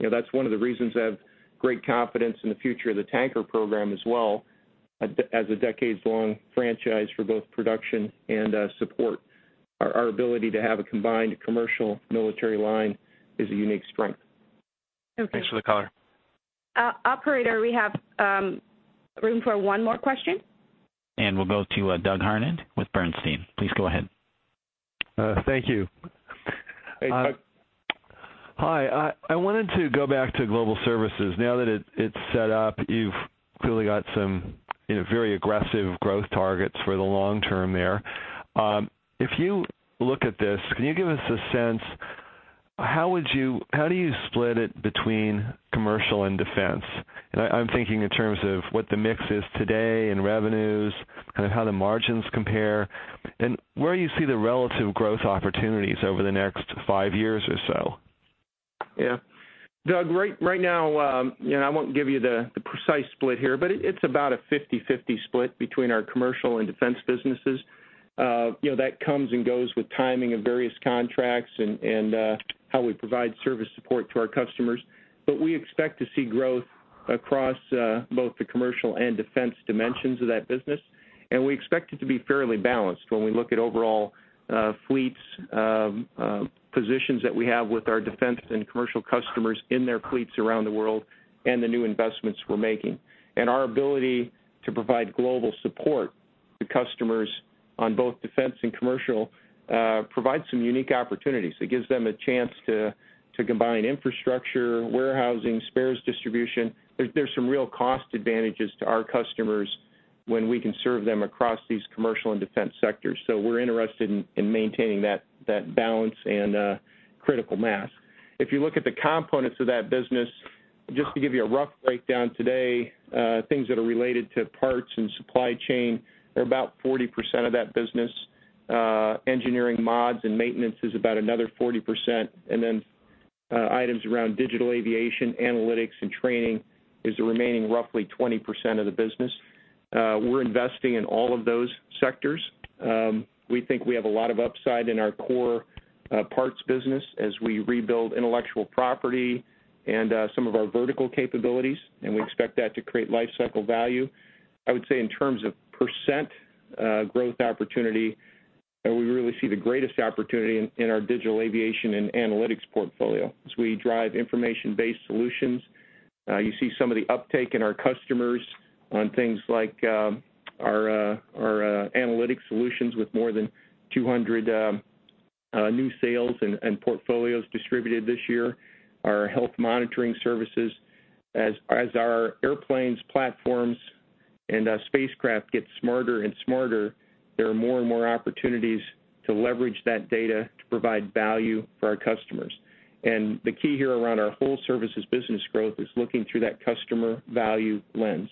[SPEAKER 3] that's one of the reasons I have great confidence in the future of the tanker program as well as a decades long franchise for both production and support. Our ability to have a combined commercial military line is a unique strength.
[SPEAKER 13] Okay. Thanks for the color.
[SPEAKER 14] Operator, we have room for one more question.
[SPEAKER 1] We'll go to Doug Harned with Bernstein. Please go ahead.
[SPEAKER 15] Thank you.
[SPEAKER 3] Hey, Doug.
[SPEAKER 15] Hi, I wanted to go back to Global Services. Now that it's set up, you've clearly got some very aggressive growth targets for the long term there. If you look at this, can you give us a sense, how do you split it between commercial and defense? I'm thinking in terms of what the mix is today in revenues, kind of how the margins compare, and where you see the relative growth opportunities over the next five years or so.
[SPEAKER 3] Doug, right now, I won't give you the precise split here, but it's about a 50/50 split between our commercial and defense businesses. That comes and goes with timing of various contracts and how we provide service support to our customers. We expect to see growth across both the commercial and defense dimensions of that business, and we expect it to be fairly balanced when we look at overall fleets, positions that we have with our defense and commercial customers in their fleets around the world and the new investments we're making. Our ability to provide global support to customers on both defense and commercial, provides some unique opportunities. It gives them a chance to combine infrastructure, warehousing, spares distribution. There's some real cost advantages to our customers when we can serve them across these commercial and defense sectors. We're interested in maintaining that balance and critical mass. If you look at the components of that business, just to give you a rough breakdown today, things that are related to parts and supply chain are about 40% of that business. Engineering mods and maintenance is about another 40%. Items around digital aviation, analytics, and training is the remaining roughly 20% of the business. We're investing in all of those sectors. We think we have a lot of upside in our core parts business as we rebuild intellectual property and some of our vertical capabilities, and we expect that to create life cycle value. I would say in terms of % growth opportunity, we really see the greatest opportunity in our digital aviation and analytics portfolio as we drive information-based solutions. You see some of the uptake in our customers on things like our analytics solutions with more than 200 new sales and portfolios distributed this year, and our health monitoring services. As our airplanes, platforms, and spacecraft get smarter and smarter, there are more and more opportunities to leverage that data to provide value for our customers. The key here around our whole services business growth is looking through that customer value lens.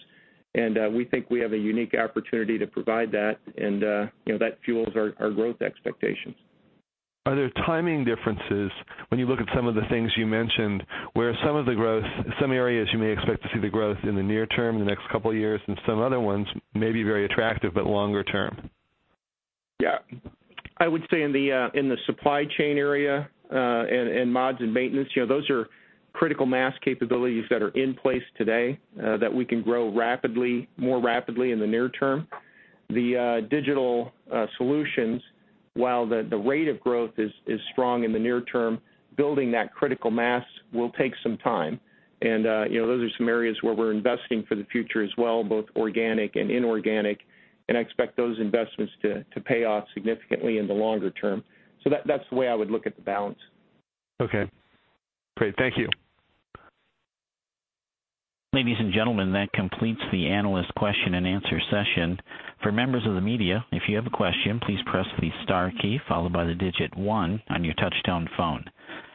[SPEAKER 3] We think we have a unique opportunity to provide that, and that fuels our growth expectations.
[SPEAKER 15] Are there timing differences when you look at some of the things you mentioned, where some areas you may expect to see the growth in the near term, the next couple of years, and some other ones may be very attractive, but longer term?
[SPEAKER 3] Yeah. I would say in the supply chain area, and mods and maintenance, those are critical mass capabilities that are in place today, that we can grow more rapidly in the near term. The digital solutions, while the rate of growth is strong in the near term, building that critical mass will take some time. Those are some areas where we're investing for the future as well, both organic and inorganic, and I expect those investments to pay off significantly in the longer term. That's the way I would look at the balance.
[SPEAKER 15] Okay. Great. Thank you.
[SPEAKER 1] Ladies and gentlemen, that completes the analyst question and answer session. For members of the media, if you have a question, please press the star key followed by the digit 1 on your touchtone phone.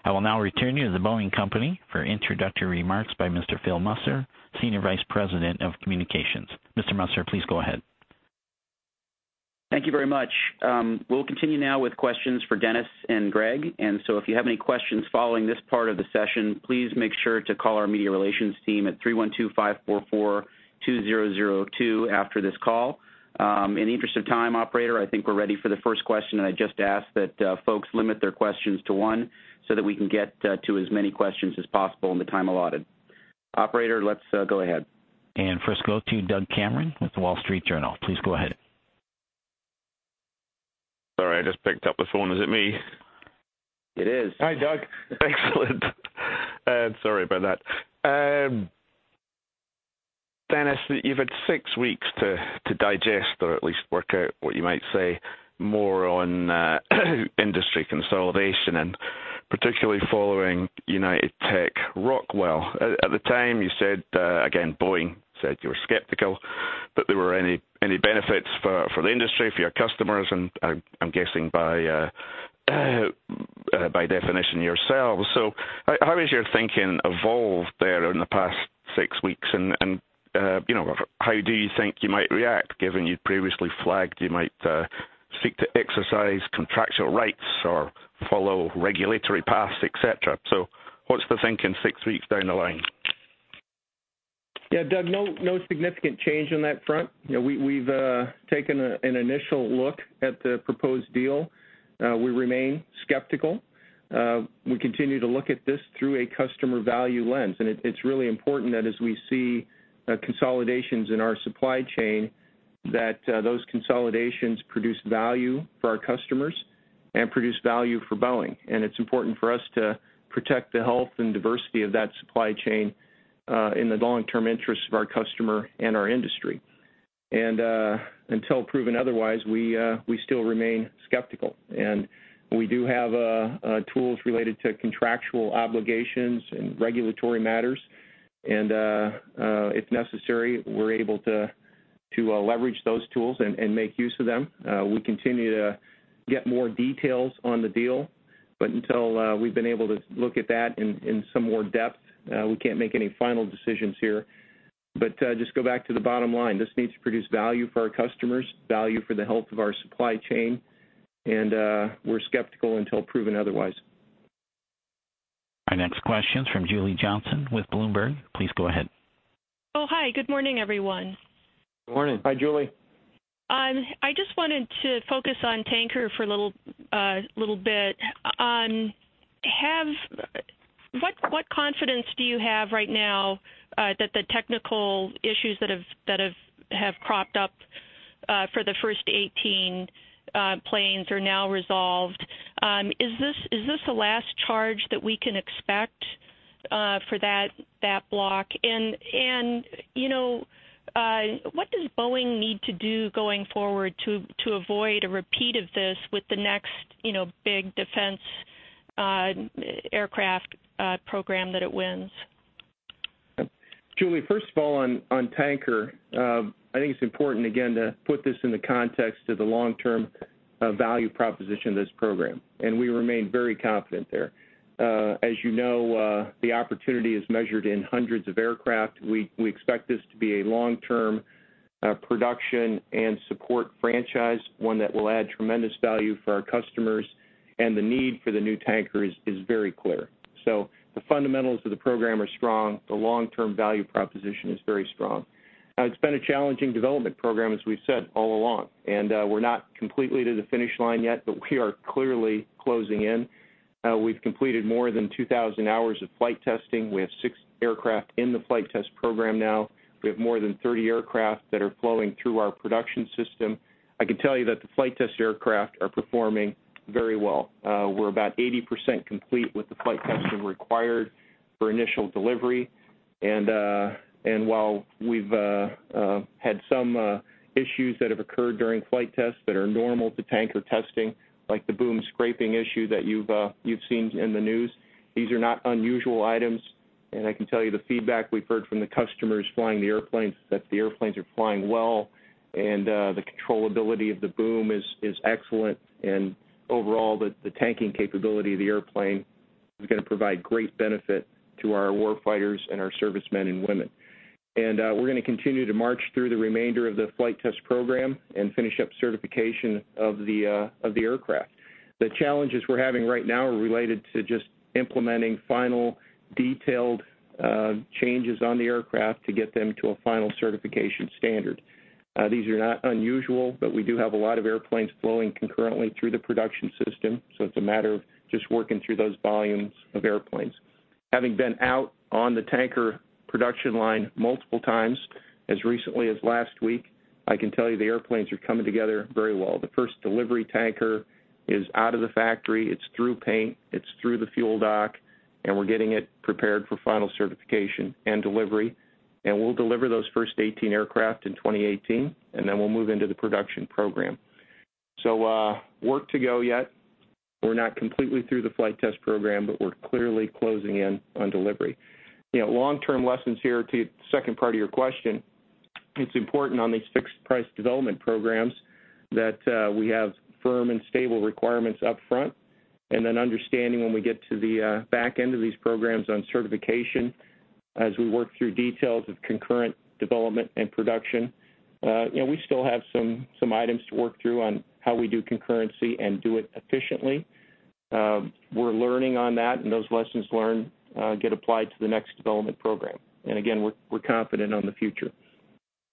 [SPEAKER 1] I will now return you to The Boeing Company for introductory remarks by Mr. Philip Musser, Senior Vice President of Communications. Mr. Musser, please go ahead.
[SPEAKER 14] Thank you very much. We'll continue now with questions for Dennis and Greg. So if you have any questions following this part of the session, please make sure to call our media relations team at 312-544-2002 after this call. In the interest of time, operator, I think we're ready for the first question, and I just ask that folks limit their questions to one so that we can get to as many questions as possible in the time allotted. Operator, let's go ahead.
[SPEAKER 1] First, go to Doug Cameron with The Wall Street Journal. Please go ahead.
[SPEAKER 16] Sorry, I just picked up the phone. Is it me?
[SPEAKER 14] It is.
[SPEAKER 3] Hi, Doug.
[SPEAKER 16] Excellent. Sorry about that. Dennis, you've had 6 weeks to digest or at least work out what you might say more on industry consolidation, and particularly following United Tech Rockwell. At the time, you said, again, Boeing said you were skeptical that there were any benefits for the industry, for your customers. I'm guessing by definition, yourselves. How has your thinking evolved there in the past 6 weeks and how do you think you might react, given you'd previously flagged you might seek to exercise contractual rights or follow regulatory paths, et cetera? What's the thinking 6 weeks down the line?
[SPEAKER 3] Doug, no significant change on that front. We've taken an initial look at the proposed deal. We remain skeptical. We continue to look at this through a customer value lens, and it's really important that as we see consolidations in our supply chain, that those consolidations produce value for our customers and produce value for Boeing. It's important for us to protect the health and diversity of that supply chain, in the long-term interests of our customer and our industry. Until proven otherwise, we still remain skeptical. We do have tools related to contractual obligations and regulatory matters. If necessary, we're able to leverage those tools and make use of them. We continue to get more details on the deal, but until we've been able to look at that in some more depth, we can't make any final decisions here. Just go back to the bottom line. This needs to produce value for our customers, value for the health of our supply chain, and we're skeptical until proven otherwise.
[SPEAKER 1] Our next question's from Julie Johnsson with Bloomberg. Please go ahead.
[SPEAKER 17] Hi. Good morning, everyone.
[SPEAKER 4] Good morning. Hi, Julie.
[SPEAKER 17] I just wanted to focus on Tanker for a little bit. What confidence do you have right now, that the technical issues that have cropped up for the first 18 planes are now resolved? Is this the last charge that we can expect for that block, and what does Boeing need to do going forward to avoid a repeat of this with the next big defense aircraft program that it wins?
[SPEAKER 3] Julie, first of all, on Tanker, I think it's important, again, to put this in the context of the long-term value proposition of this program, and we remain very confident there. As you know, the opportunity is measured in hundreds of aircraft. We expect this to be a long-term production and support franchise, one that will add tremendous value for our customers, and the need for the new tankers is very clear. The fundamentals of the program are strong. The long-term value proposition is very strong. It's been a challenging development program, as we've said all along, and we're not completely to the finish line yet, but we are clearly closing in. We've completed more than 2,000 hours of flight testing. We have six aircraft in the flight test program now. We have more than 30 aircraft that are flowing through our production system. I can tell you that the flight test aircraft are performing very well. We're about 80% complete with the flight testing required for initial delivery. While we've had some issues that have occurred during flight tests that are normal to Tanker testing, like the boom scraping issue that you've seen in the news, these are not unusual items. I can tell you the feedback we've heard from the customers flying the airplanes, that the airplanes are flying well and the controllability of the boom is excellent and overall, the tanking capability of the airplane is going to provide great benefit to our war fighters and our servicemen and women. We're going to continue to march through the remainder of the flight test program and finish up certification of the aircraft. The challenges we're having right now are related to just implementing final detailed changes on the aircraft to get them to a final certification standard. These are not unusual, we do have a lot of airplanes flowing concurrently through the production system, it's a matter of just working through those volumes of airplanes. Having been out on the Tanker production line multiple times, as recently as last week, I can tell you the airplanes are coming together very well. The first delivery Tanker is out of the factory. It's through paint. It's through the fuel dock, and we're getting it prepared for final certification and delivery. We'll deliver those first 18 aircraft in 2018, then we'll move into the production program. Work to go yet. We're not completely through the flight test program, but we're clearly closing in on delivery. Long-term lessons here, to the second part of your question, it's important on these fixed-price development programs that we have firm and stable requirements up front, understanding when we get to the back end of these programs on certification, as we work through details of concurrent development and production. We still have some items to work through on how we do concurrency and do it efficiently. We're learning on that, those lessons learned get applied to the next development program. Again, we're confident on the future.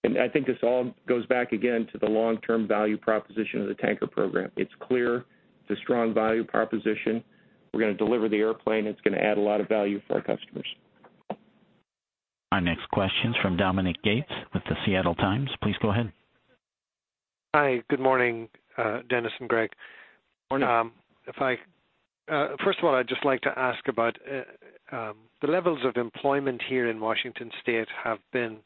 [SPEAKER 3] I think this all goes back again to the long-term value proposition of the Tanker program. It's clear it's a strong value proposition. We're going to deliver the airplane, it's going to add a lot of value for our customers.
[SPEAKER 1] Our next question's from Dominic Gates with The Seattle Times. Please go ahead.
[SPEAKER 18] Hi. Good morning, Dennis and Greg.
[SPEAKER 3] Morning.
[SPEAKER 18] First of all, I'd just like to ask about the levels of employment here in Washington State have been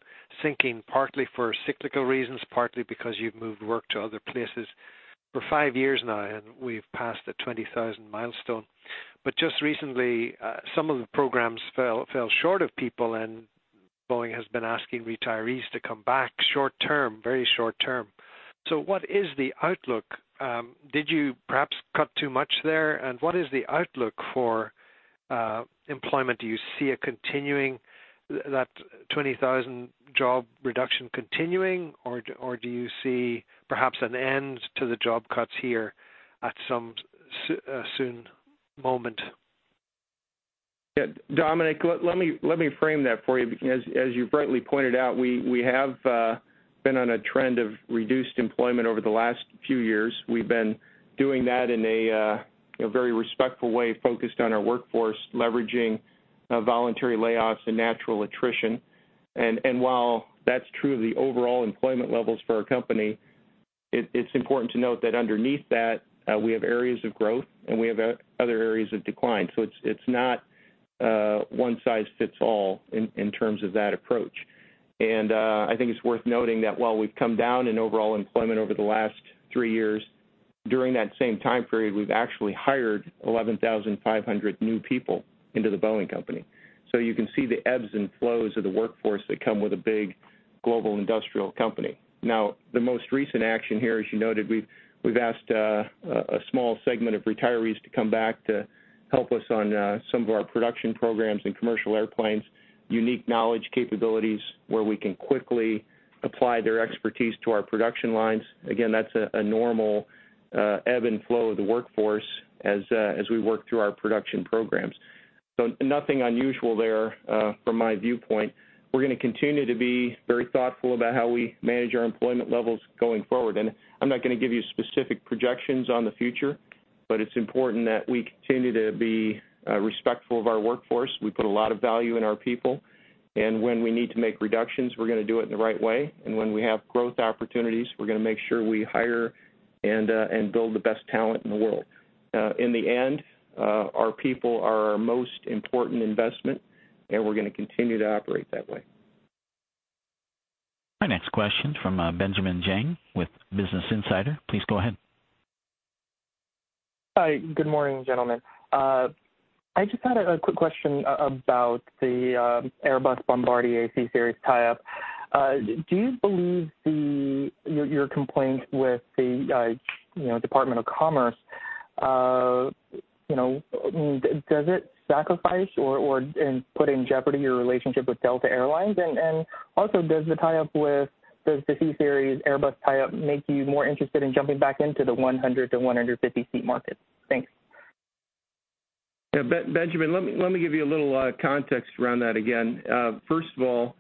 [SPEAKER 18] sinking, partly for cyclical reasons, partly because you've moved work to other places for 5 years now, and we've passed the 20,000 milestone. Just recently, some of the programs fell short of people, and The Boeing Company has been asking retirees to come back short term, very short term. What is the outlook? Did you perhaps cut too much there? What is the outlook for employment? Do you see that 20,000 job reduction continuing, or do you see perhaps an end to the job cuts here at some soon moment?
[SPEAKER 3] Yeah. Dominic, let me frame that for you, because as you rightly pointed out, we have been on a trend of reduced employment over the last few years. We've been doing that in a very respectful way, focused on our workforce, leveraging voluntary layoffs and natural attrition. While that's true of the overall employment levels for our company, it's important to note that underneath that, we have areas of growth, and we have other areas of decline. It's not one size fits all in terms of that approach. I think it's worth noting that while we've come down in overall employment over the last 3 years, during that same time period, we've actually hired 11,500 new people into The Boeing Company. You can see the ebbs and flows of the workforce that come with a big global industrial company. The most recent action here, as you noted, we've asked a small segment of retirees to come back to help us on some of our production programs and commercial airplanes, unique knowledge capabilities where we can quickly apply their expertise to our production lines. Again, that's a normal ebb and flow of the workforce as we work through our production programs. Nothing unusual there from my viewpoint. We're going to continue to be very thoughtful about how we manage our employment levels going forward. I'm not going to give you specific projections on the future, but it's important that we continue to be respectful of our workforce. We put a lot of value in our people. When we need to make reductions, we're going to do it in the right way. When we have growth opportunities, we are going to make sure we hire and build the best talent in the world. In the end, our people are our most important investment, and we are going to continue to operate that way.
[SPEAKER 1] Our next question from Benjamin Zhang with Business Insider. Please go ahead.
[SPEAKER 19] Hi. Good morning, gentlemen. I just had a quick question about the Airbus Bombardier CSeries tie-up. Do you believe your complaint with the Department of Commerce, does it sacrifice or put in jeopardy your relationship with Delta Air Lines? Also, does the tie-up with the CSeries Airbus tie-up make you more interested in jumping back into the 100-150-seat market? Thanks.
[SPEAKER 3] Yeah. Benjamin, let me give you a little context around that again. First of all,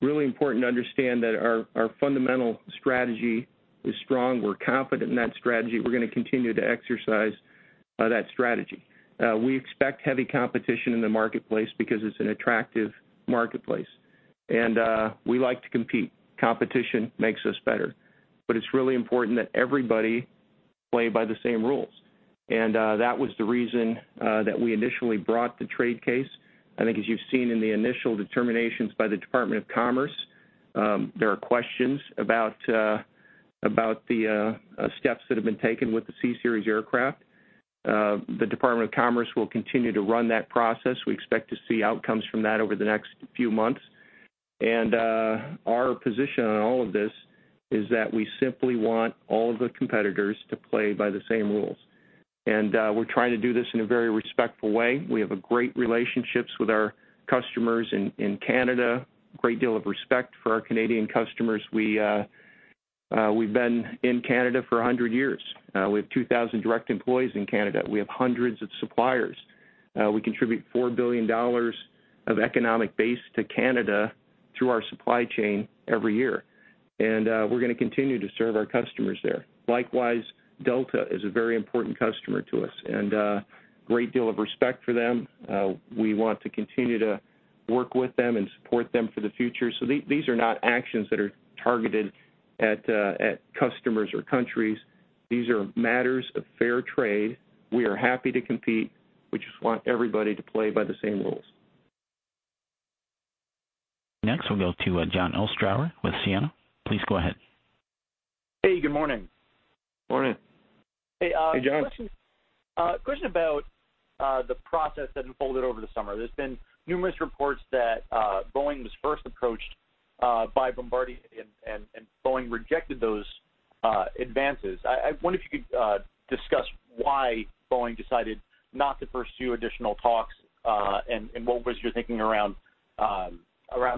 [SPEAKER 3] really important to understand that our fundamental strategy is strong. We are confident in that strategy. We are going to continue to exercise that strategy. We expect heavy competition in the marketplace because it is an attractive marketplace. We like to compete. Competition makes us better. It is really important that everybody play by the same rules. That was the reason that we initially brought the trade case. I think as you have seen in the initial determinations by the Department of Commerce, there are questions about the steps that have been taken with the CSeries aircraft. The Department of Commerce will continue to run that process. We expect to see outcomes from that over the next few months. Our position on all of this is that we simply want all of the competitors to play by the same rules. We're trying to do this in a very respectful way. We have great relationships with our customers in Canada, great deal of respect for our Canadian customers. We've been in Canada for 100 years. We have 2,000 direct employees in Canada. We have hundreds of suppliers. We contribute $4 billion of economic base to Canada through our supply chain every year. We're going to continue to serve our customers there. Likewise, Delta is a very important customer to us and great deal of respect for them. We want to continue to work with them and support them for the future. These are not actions that are targeted at customers or countries. These are matters of fair trade. We are happy to compete. We just want everybody to play by the same rules.
[SPEAKER 1] Next, we'll go to Jon Ostrower with CNN. Please go ahead.
[SPEAKER 20] Hey, good morning.
[SPEAKER 3] Morning. Hey, Jon.
[SPEAKER 20] Question about the process that unfolded over the summer. There's been numerous reports that Boeing was first approached by Bombardier, and Boeing rejected those advances. I wonder if you could discuss why Boeing decided not to pursue additional talks, and what was your thinking around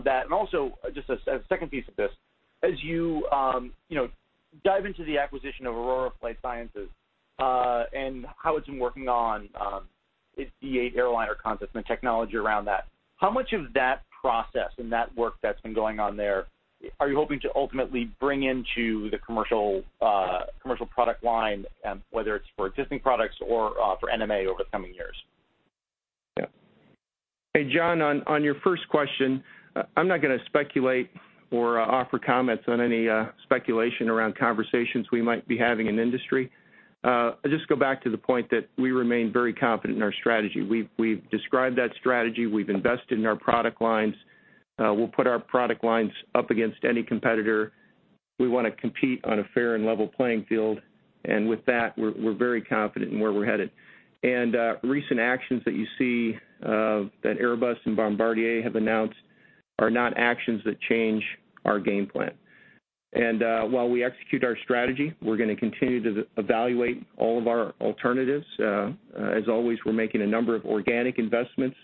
[SPEAKER 20] that? Also, just as a second piece of this, as you dive into the acquisition of Aurora Flight Sciences, and how it's been working on its D8 airliner concepts and the technology around that, how much of that process and that work that's been going on there are you hoping to ultimately bring into the commercial product line, whether it's for existing products or for NMA over the coming years?
[SPEAKER 3] Hey, Jon, on your first question, I'm not going to speculate or offer comments on any speculation around conversations we might be having in industry. I'll just go back to the point that we remain very confident in our strategy. We've described that strategy. We've invested in our product lines. We'll put our product lines up against any competitor We want to compete on a fair and level playing field. With that, we're very confident in where we're headed. Recent actions that you see that Airbus and Bombardier have announced are not actions that change our game plan. While we execute our strategy, we're going to continue to evaluate all of our alternatives. As always, we're making a number of organic investments.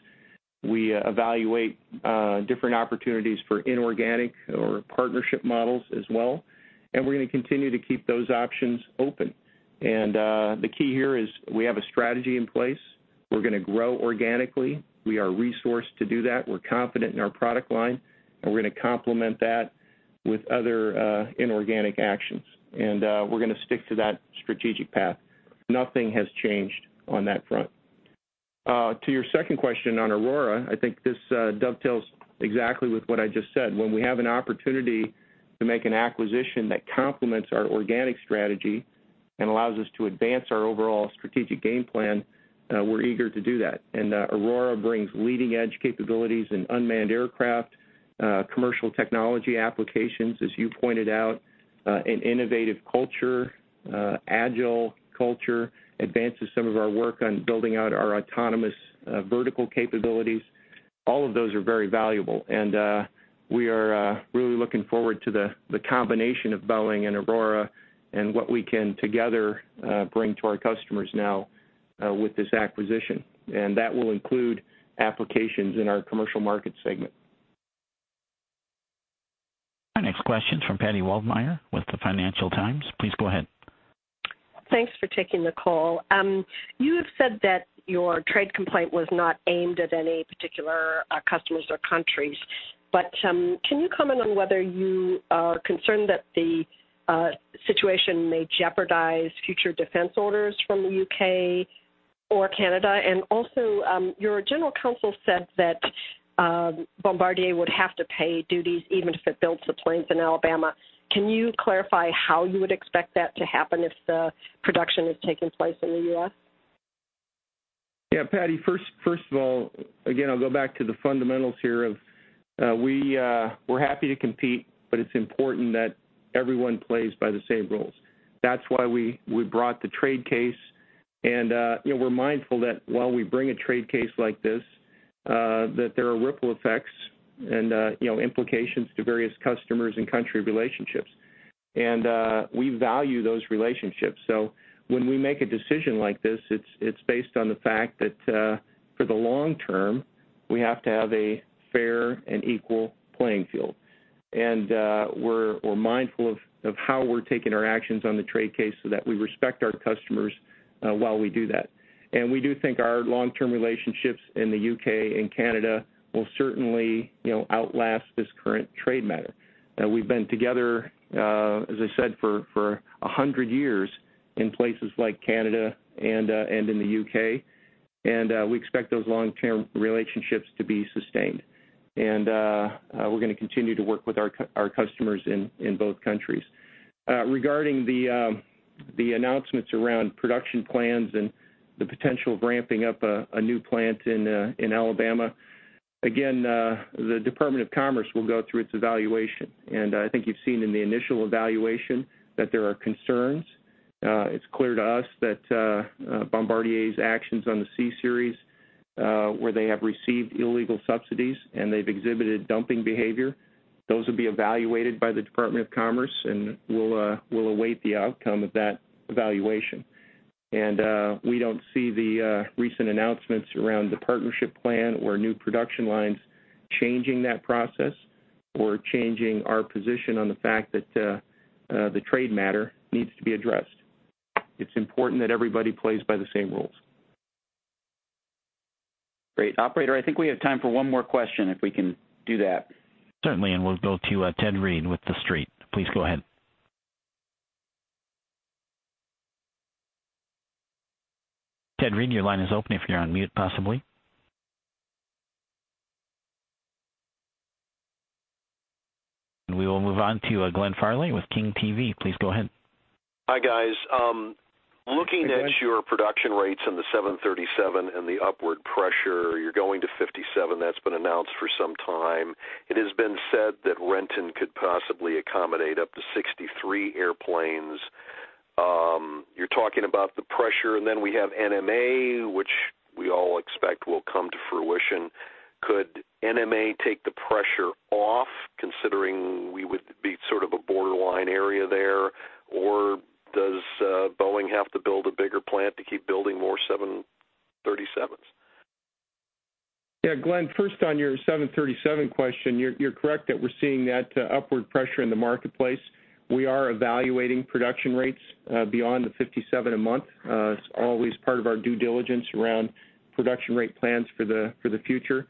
[SPEAKER 3] We evaluate different opportunities for inorganic or partnership models as well, and we're going to continue to keep those options open. The key here is we have a strategy in place. We're going to grow organically. We are resourced to do that. We're confident in our product line, and we're going to complement that with other inorganic actions, and we're going to stick to that strategic path. Nothing has changed on that front. To your second question on Aurora, I think this dovetails exactly with what I just said. When we have an opportunity to make an acquisition that complements our organic strategy and allows us to advance our overall strategic game plan, we're eager to do that. Aurora brings leading-edge capabilities in unmanned aircraft, commercial technology applications, as you pointed out, an innovative culture, agile culture, advances some of our work on building out our autonomous vertical capabilities. All of those are very valuable, and we are really looking forward to the combination of Boeing and Aurora and what we can together bring to our customers now with this acquisition, and that will include applications in our commercial market segment.
[SPEAKER 14] Our next question's from Patti Waldmeir with the Financial Times. Please go ahead.
[SPEAKER 21] Thanks for taking the call. You have said that your trade complaint was not aimed at any particular customers or countries, Can you comment on whether you are concerned that the situation may jeopardize future defense orders from the U.K. or Canada? Also, your general counsel said that Bombardier would have to pay duties even if it builds the planes in Alabama. Can you clarify how you would expect that to happen if the production is taking place in the U.S.?
[SPEAKER 3] Patti, first of all, again, I'll go back to the fundamentals here of we're happy to compete, It's important that everyone plays by the same rules. That's why we brought the trade case, We're mindful that while we bring a trade case like this, that there are ripple effects and implications to various customers and country relationships. We value those relationships. When we make a decision like this, it's based on the fact that for the long term, we have to have a fair and equal playing field. We're mindful of how we're taking our actions on the trade case so that we respect our customers while we do that. We do think our long-term relationships in the U.K. and Canada will certainly outlast this current trade matter. We've been together, as I said, for 100 years in places like Canada and in the U.K., we expect those long-term relationships to be sustained. We're going to continue to work with our customers in both countries. Regarding the announcements around production plans and the potential of ramping up a new plant in Alabama, again, the Department of Commerce will go through its evaluation. I think you've seen in the initial evaluation that there are concerns. It's clear to us that Bombardier's actions on the CSeries, where they have received illegal subsidies and they've exhibited dumping behavior, those will be evaluated by the Department of Commerce, we'll await the outcome of that evaluation. We don't see the recent announcements around the partnership plan or new production lines changing that process or changing our position on the fact that the trade matter needs to be addressed. It's important that everybody plays by the same rules.
[SPEAKER 14] Great. Operator, I think we have time for one more question, if we can do that. Certainly, we'll go to Ted Reed with TheStreet. Please go ahead. Ted Reed, your line is open, if you're on mute, possibly. We will move on to Glenn Farley with KING-TV. Please go ahead.
[SPEAKER 22] Hi, guys.
[SPEAKER 3] Hey, Glenn.
[SPEAKER 22] Looking at your production rates on the 737 and the upward pressure, you're going to 57. That's been announced for some time. It has been said that Renton could possibly accommodate up to 63 airplanes. You're talking about the pressure, then we have NMA, which we all expect will come to fruition. Could NMA take the pressure off, considering we would be sort of a borderline area there? Does Boeing have to build a bigger plant to keep building more 737s?
[SPEAKER 3] Yeah, Glenn, first on your 737 question, you're correct that we're seeing that upward pressure in the marketplace. We are evaluating production rates beyond the 57 a month. It's always part of our due diligence around production rate plans for the future.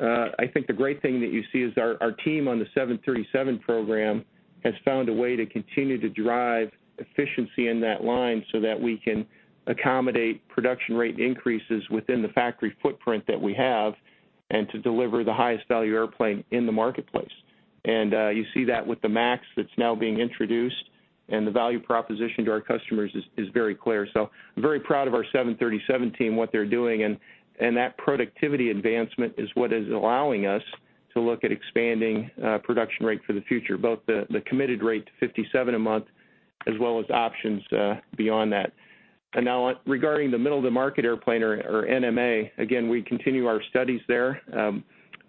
[SPEAKER 3] I think the great thing that you see is our team on the 737 program has found a way to continue to drive efficiency in that line so that we can accommodate production rate increases within the factory footprint that we have and to deliver the highest value airplane in the marketplace. You see that with the MAX that's now being introduced, and the value proposition to our customers is very clear. I'm very proud of our 737 team, what they're doing. That productivity advancement is what is allowing us to look at expanding production rate for the future, both the committed rate to 57 a month, as well as options beyond that. Now regarding the middle of the market airplane or NMA, again, we continue our studies there.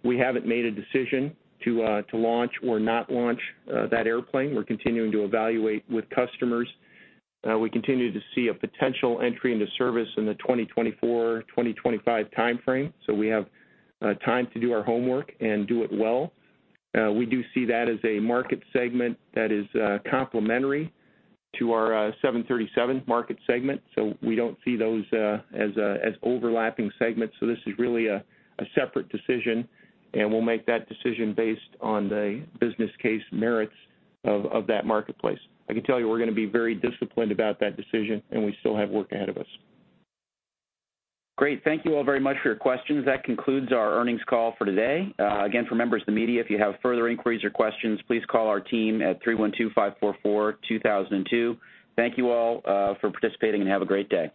[SPEAKER 3] We haven't made a decision to launch or not launch that airplane. We're continuing to evaluate with customers. We continue to see a potential entry into service in the 2024, 2025 timeframe. We have time to do our homework and do it well. We do see that as a market segment that is complementary to our 737 market segment. We don't see those as overlapping segments. This is really a separate decision, and we'll make that decision based on the business case merits of that marketplace. I can tell you we're going to be very disciplined about that decision, and we still have work ahead of us.
[SPEAKER 14] Great. Thank you all very much for your questions. That concludes our earnings call for today. Again, for members of the media, if you have further inquiries or questions, please call our team at 312-544-2002. Thank you all for participating, and have a great day.